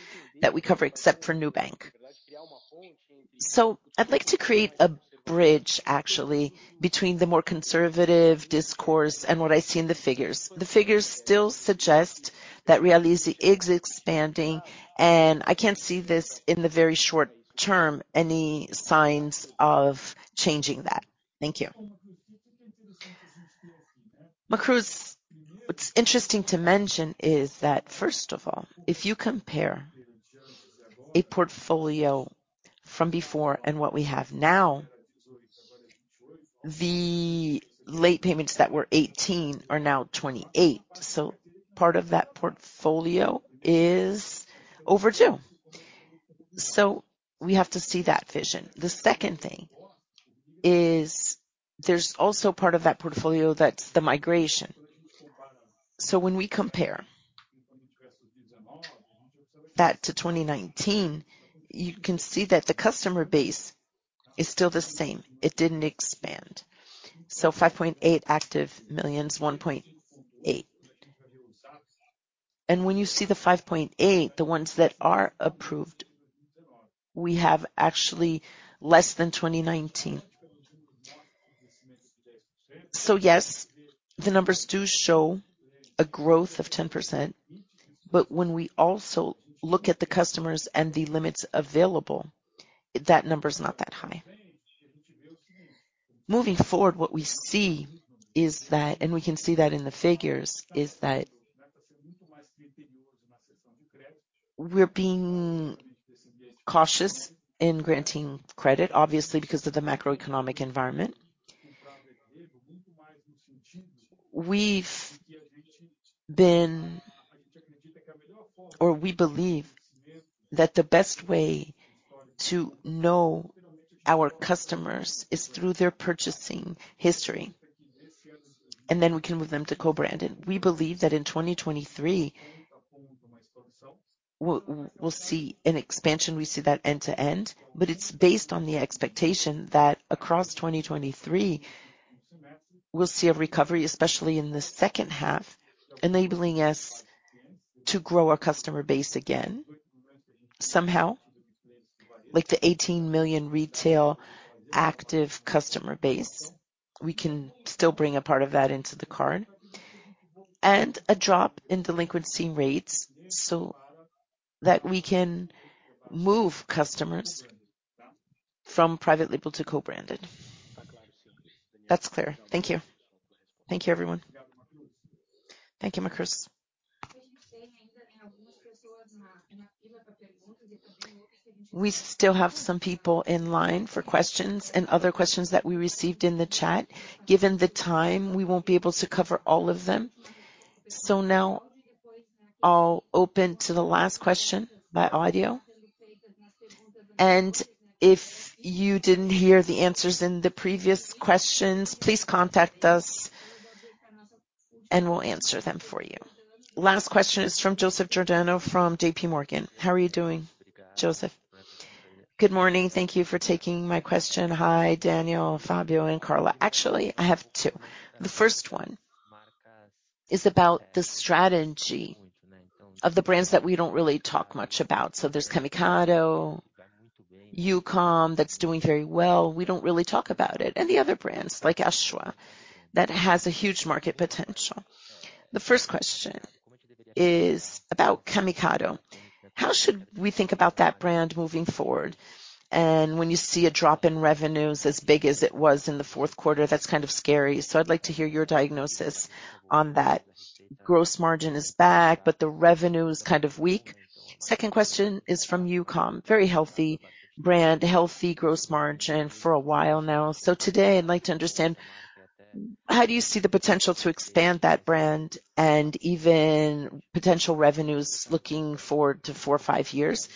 that we cover, except for Nubank. I'd like to create a bridge actually between the more conservative discourse and what I see in the figures. The figures still suggest that Realize is expanding, and I can't see this in the very short term, any signs of changing that. Thank you. Marcos, what's interesting to mention is that, first of all, if you compare a portfolio from before and what we have now, the late payments that were 18 are now 28. Part of that portfolio is overdue. We have to see that vision. The second thing is there's also part of that portfolio that's the migration. When we compare that to 2019, you can see that the customer base is still the same. It didn't expand. 5.8 active millions, 1.8. And when you see the 5.8, the ones that are approved, we have actually less than 2019. Yes, the numbers do show a growth of 10%, but when we also look at the customers and the limits available, that number is not that high. Moving forward, what we see is that, and we can see that in the figures, is that we're being cautious in granting credit, obviously, because of the macroeconomic environment. We've been... We believe that the best way to know our customers is through their purchasing history, and then we can move them to co-branded. We believe that in 2023, we'll see an expansion. We see that end to end, but it's based on the expectation that across 2023, we'll see a recovery, especially in the second half, enabling us to grow our customer base again somehow. Like the 18 million retail active customer base, we can still bring a part of that into the card. A drop in delinquency rates so that we can move customers from private label to co-branded. That's clear. Thank you. Thank you, everyone. Thank you, Marcos. We still have some people in line for questions and other questions that we received in the chat. Given the time, we won't be able to cover all of them. Now I'll open to the last question by audio. If you didn't hear the answers in the previous questions, please contact us and we'll answer them for you. Last question is from Joseph Giordano from JPMorgan. How are you doing, Joseph? Good morning. Thank you for taking my question. Hi, Daniel, Fabio, and Carla. Actually, I have 2. The first one is about the strategy of the brands that we don't really talk much about. There's Camicado, Youcom, that's doing very well. We don't really talk about it. The other brands like Ashua, that has a huge market potential. The first question is about Camicado. How should we think about that brand moving forward? When you see a drop in revenues as big as it was in the 4th quarter, that's kind of scary. I'd like to hear your diagnosis on that. Gross margin is back. The revenue is kind of weak. Second question is from Youcom. Very healthy brand, healthy gross margin for a while now. Today, I'd like to understand how do you see the potential to expand that brand and even potential revenues looking forward to four or five years.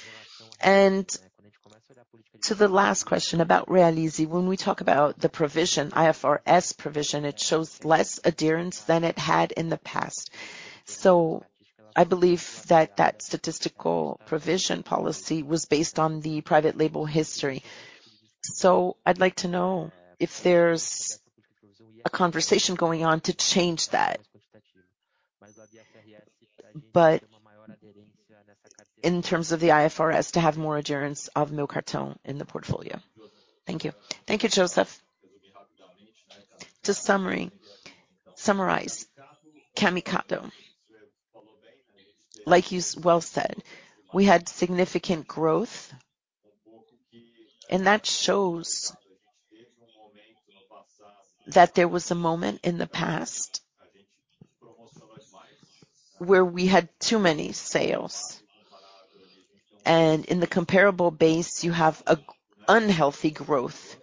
To the last question about Realize. When we talk about the provision, IFRS provision, it shows less adherence than it had in the past. I believe that that statistical provision policy was based on the private label history. I'd like to know if there's a conversation going on to change that. In terms of the IFRS, to have more adherence of Meu Cartão in the portfolio. Thank you. Thank you, Joseph. To summarize Camicado. Like you well said, we had significant growth, that shows that there was a moment in the past where we had too many sales. In the comparable base, you have a unhealthy growth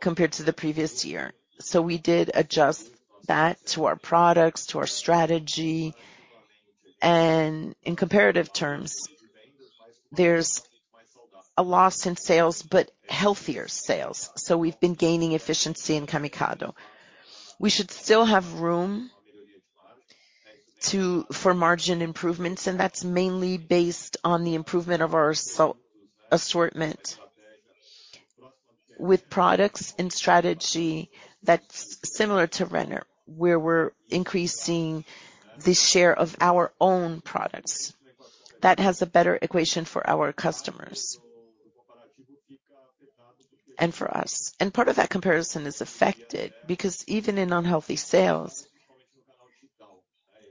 compared to the previous year. We did adjust that to our products, to our strategy. In comparative terms, there's a loss in sales, but healthier sales. We've been gaining efficiency in Camicado. We should still have room for margin improvements, and that's mainly based on the improvement of our assortment with products and strategy that's similar to Renner, where we're increasing the share of our own products. That has a better equation for our customers and for us. Part of that comparison is affected because even in unhealthy sales,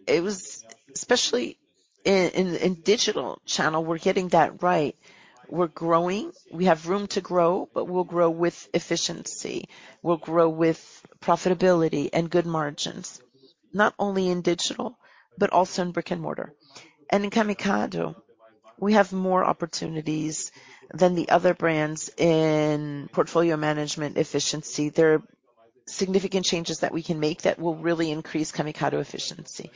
it was especially in digital channel, we're getting that right. We're growing. We have room to grow, but we'll grow with efficiency. We'll grow with profitability and good margins, not only in digital, but also in brick-and-mortar. In Camicado, we have more opportunities than the other brands in portfolio management efficiency. There are significant changes that we can make that will really increase Camicado efficiency.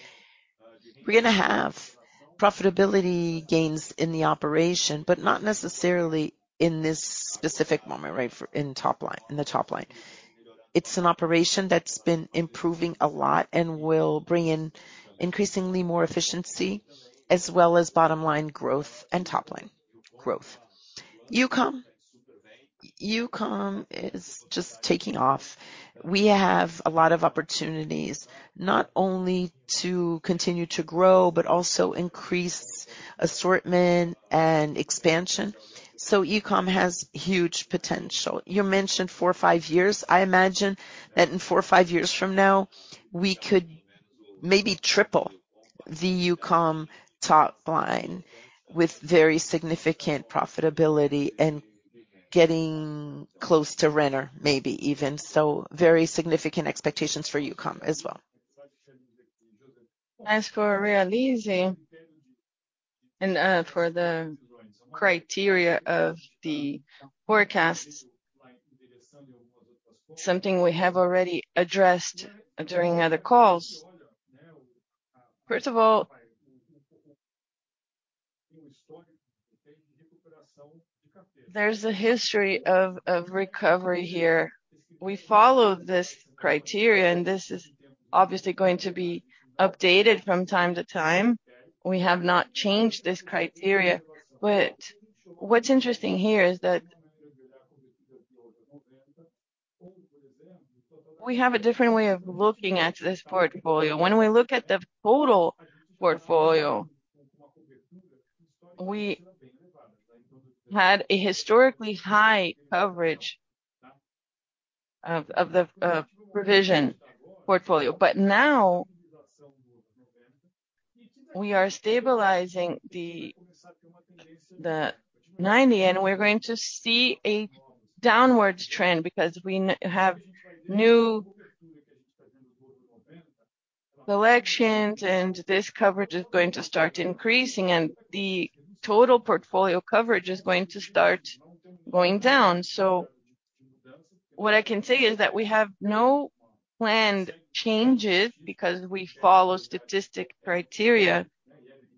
We're gonna have profitability gains in the operation, but not necessarily in this specific moment, right, in the top line. It's an operation that's been improving a lot and will bring in increasingly more efficiency as well as bottom line growth and top line growth. E-commerce. E-commerce is just taking off. We have a lot of opportunities not only to continue to grow, but also increase assortment and expansion. E-com has huge potential. You mentioned four or five years. I imagine that in four or five years from now, we could maybe triple the E-commerce top line with very significant profitability and getting close to Renner, maybe even. Very significant expectations for E-commerce as well. As for Realize and for the criteria of the forecasts, something we have already addressed during other calls. First of all, there's a history of recovery here. We follow this criteria, and this is obviously going to be updated from time to time. We have not changed this criteria. What's interesting here is that we have a different way of looking at this portfolio. When we look at the total portfolio, we had a historically high coverage of the provision portfolio. Now we are stabilizing the 90, and we're going to see a downwards trend because we have new collections, and this coverage is going to start increasing, and the total portfolio coverage is going to start going down. What I can say is that we have no planned changes because we follow statistical criteria,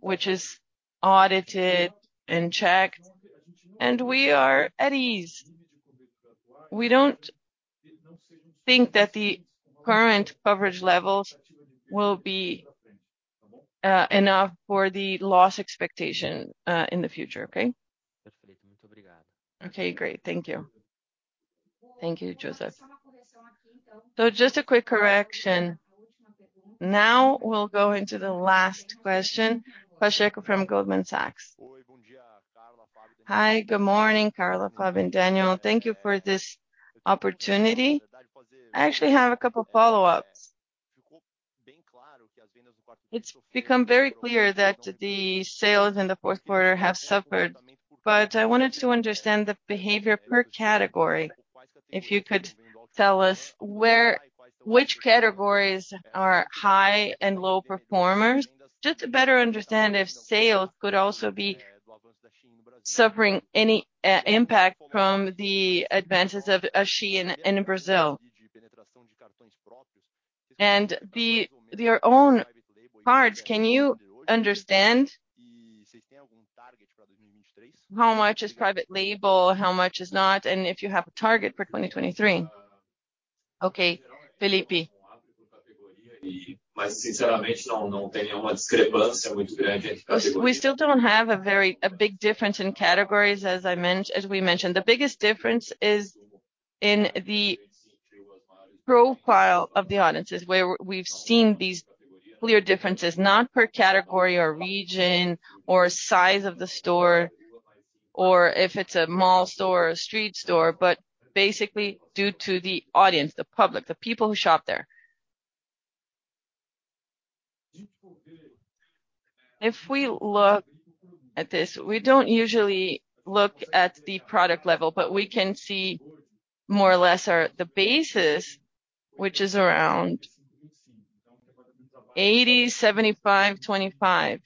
which is audited and checked, and we are at ease. We don't think that the current coverage levels will be enough for the loss expectation in the future. Okay? Okay, great. Thank you. Thank you, Joseph. Just a quick correction. Now we'll go into the last question. Question from Goldman Sachs. Hi, good morning, Carla, Fabio, and Daniel. Thank you for this opportunity. I actually have a couple follow-ups. It's become very clear that the sales in the fourth quarter have suffered, but I wanted to understand the behavior per category. If you could tell us which categories are high and low performers, just to better understand if sales could also be suffering any impact from the advances of Shein in Brazil. Your own cards, can you understand how much is private label, how much is not, and if you have a target for 2023? Okay, Felipe. We still don't have a big difference in categories as we mentioned. The biggest difference is in the profile of the audiences, where we've seen these clear differences, not per category or region or size of the store, or if it's a mall store or a street store, but basically due to the audience, the public, the people who shop there. If we look at this, we don't usually look at the product level, but we can see more or less or the basis, which is around 80, 75, 25.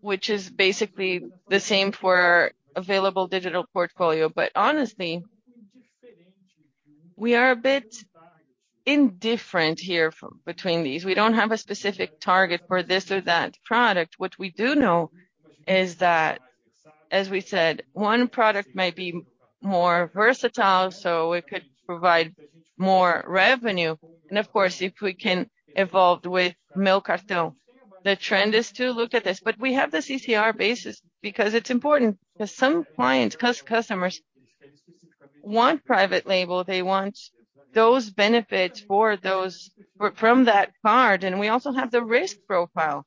Which is basically the same for available digital portfolio. Honestly, we are a bit indifferent here between these. We don't have a specific target for this or that product. What we do know is that, as we said, one product may be more versatile, so it could provide more revenue. Of course, if we can evolve with Meu Cartão, the trend is to look at this. We have the CCR basis because it's important. 'Cause some clients, customers want private label. They want those benefits from that card, and we also have the risk profile.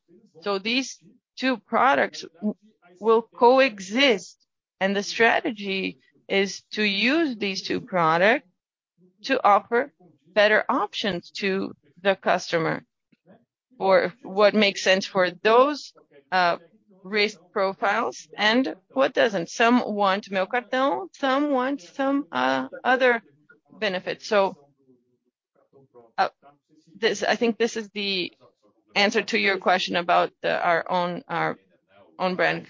These two products will coexist, and the strategy is to use these two product to offer better options to the customer or what makes sense for those risk profiles and what doesn't. Some want Meu Cartão, some want some other benefits. I think this is the answer to your question about our own, our own brand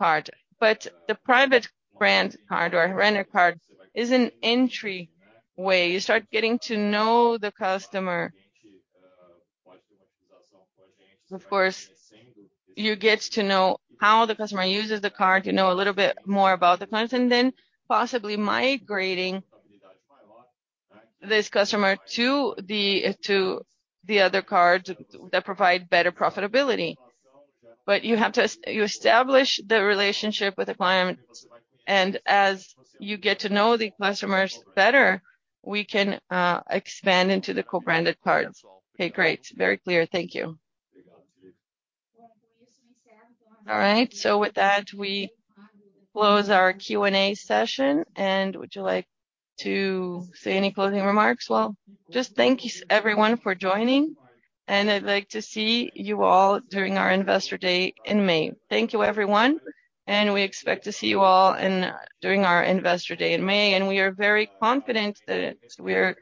card. The private brand card or Renner card is an entry way. You start getting to know the customer. Of course, you get to know how the customer uses the card, you know a little bit more about the clients. Possibly migrating this customer to the other card that provide better profitability. You have to establish the relationship with the client. As you get to know the customers better, we can expand into the co-branded cards. Okay, great. Very clear. Thank you. All right. With that, we close our Q&A session. Would you like to say any closing remarks? Well, just thank everyone for joining. I'd like to see you all during our Investor Day in May. Thank you, everyone. We expect to see you all during our Investor Day in May. We are very confident that we're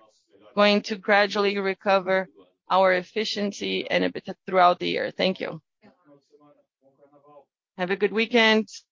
going to gradually recover our efficiency and EBIT throughout the year. Thank you. Have a good weekend.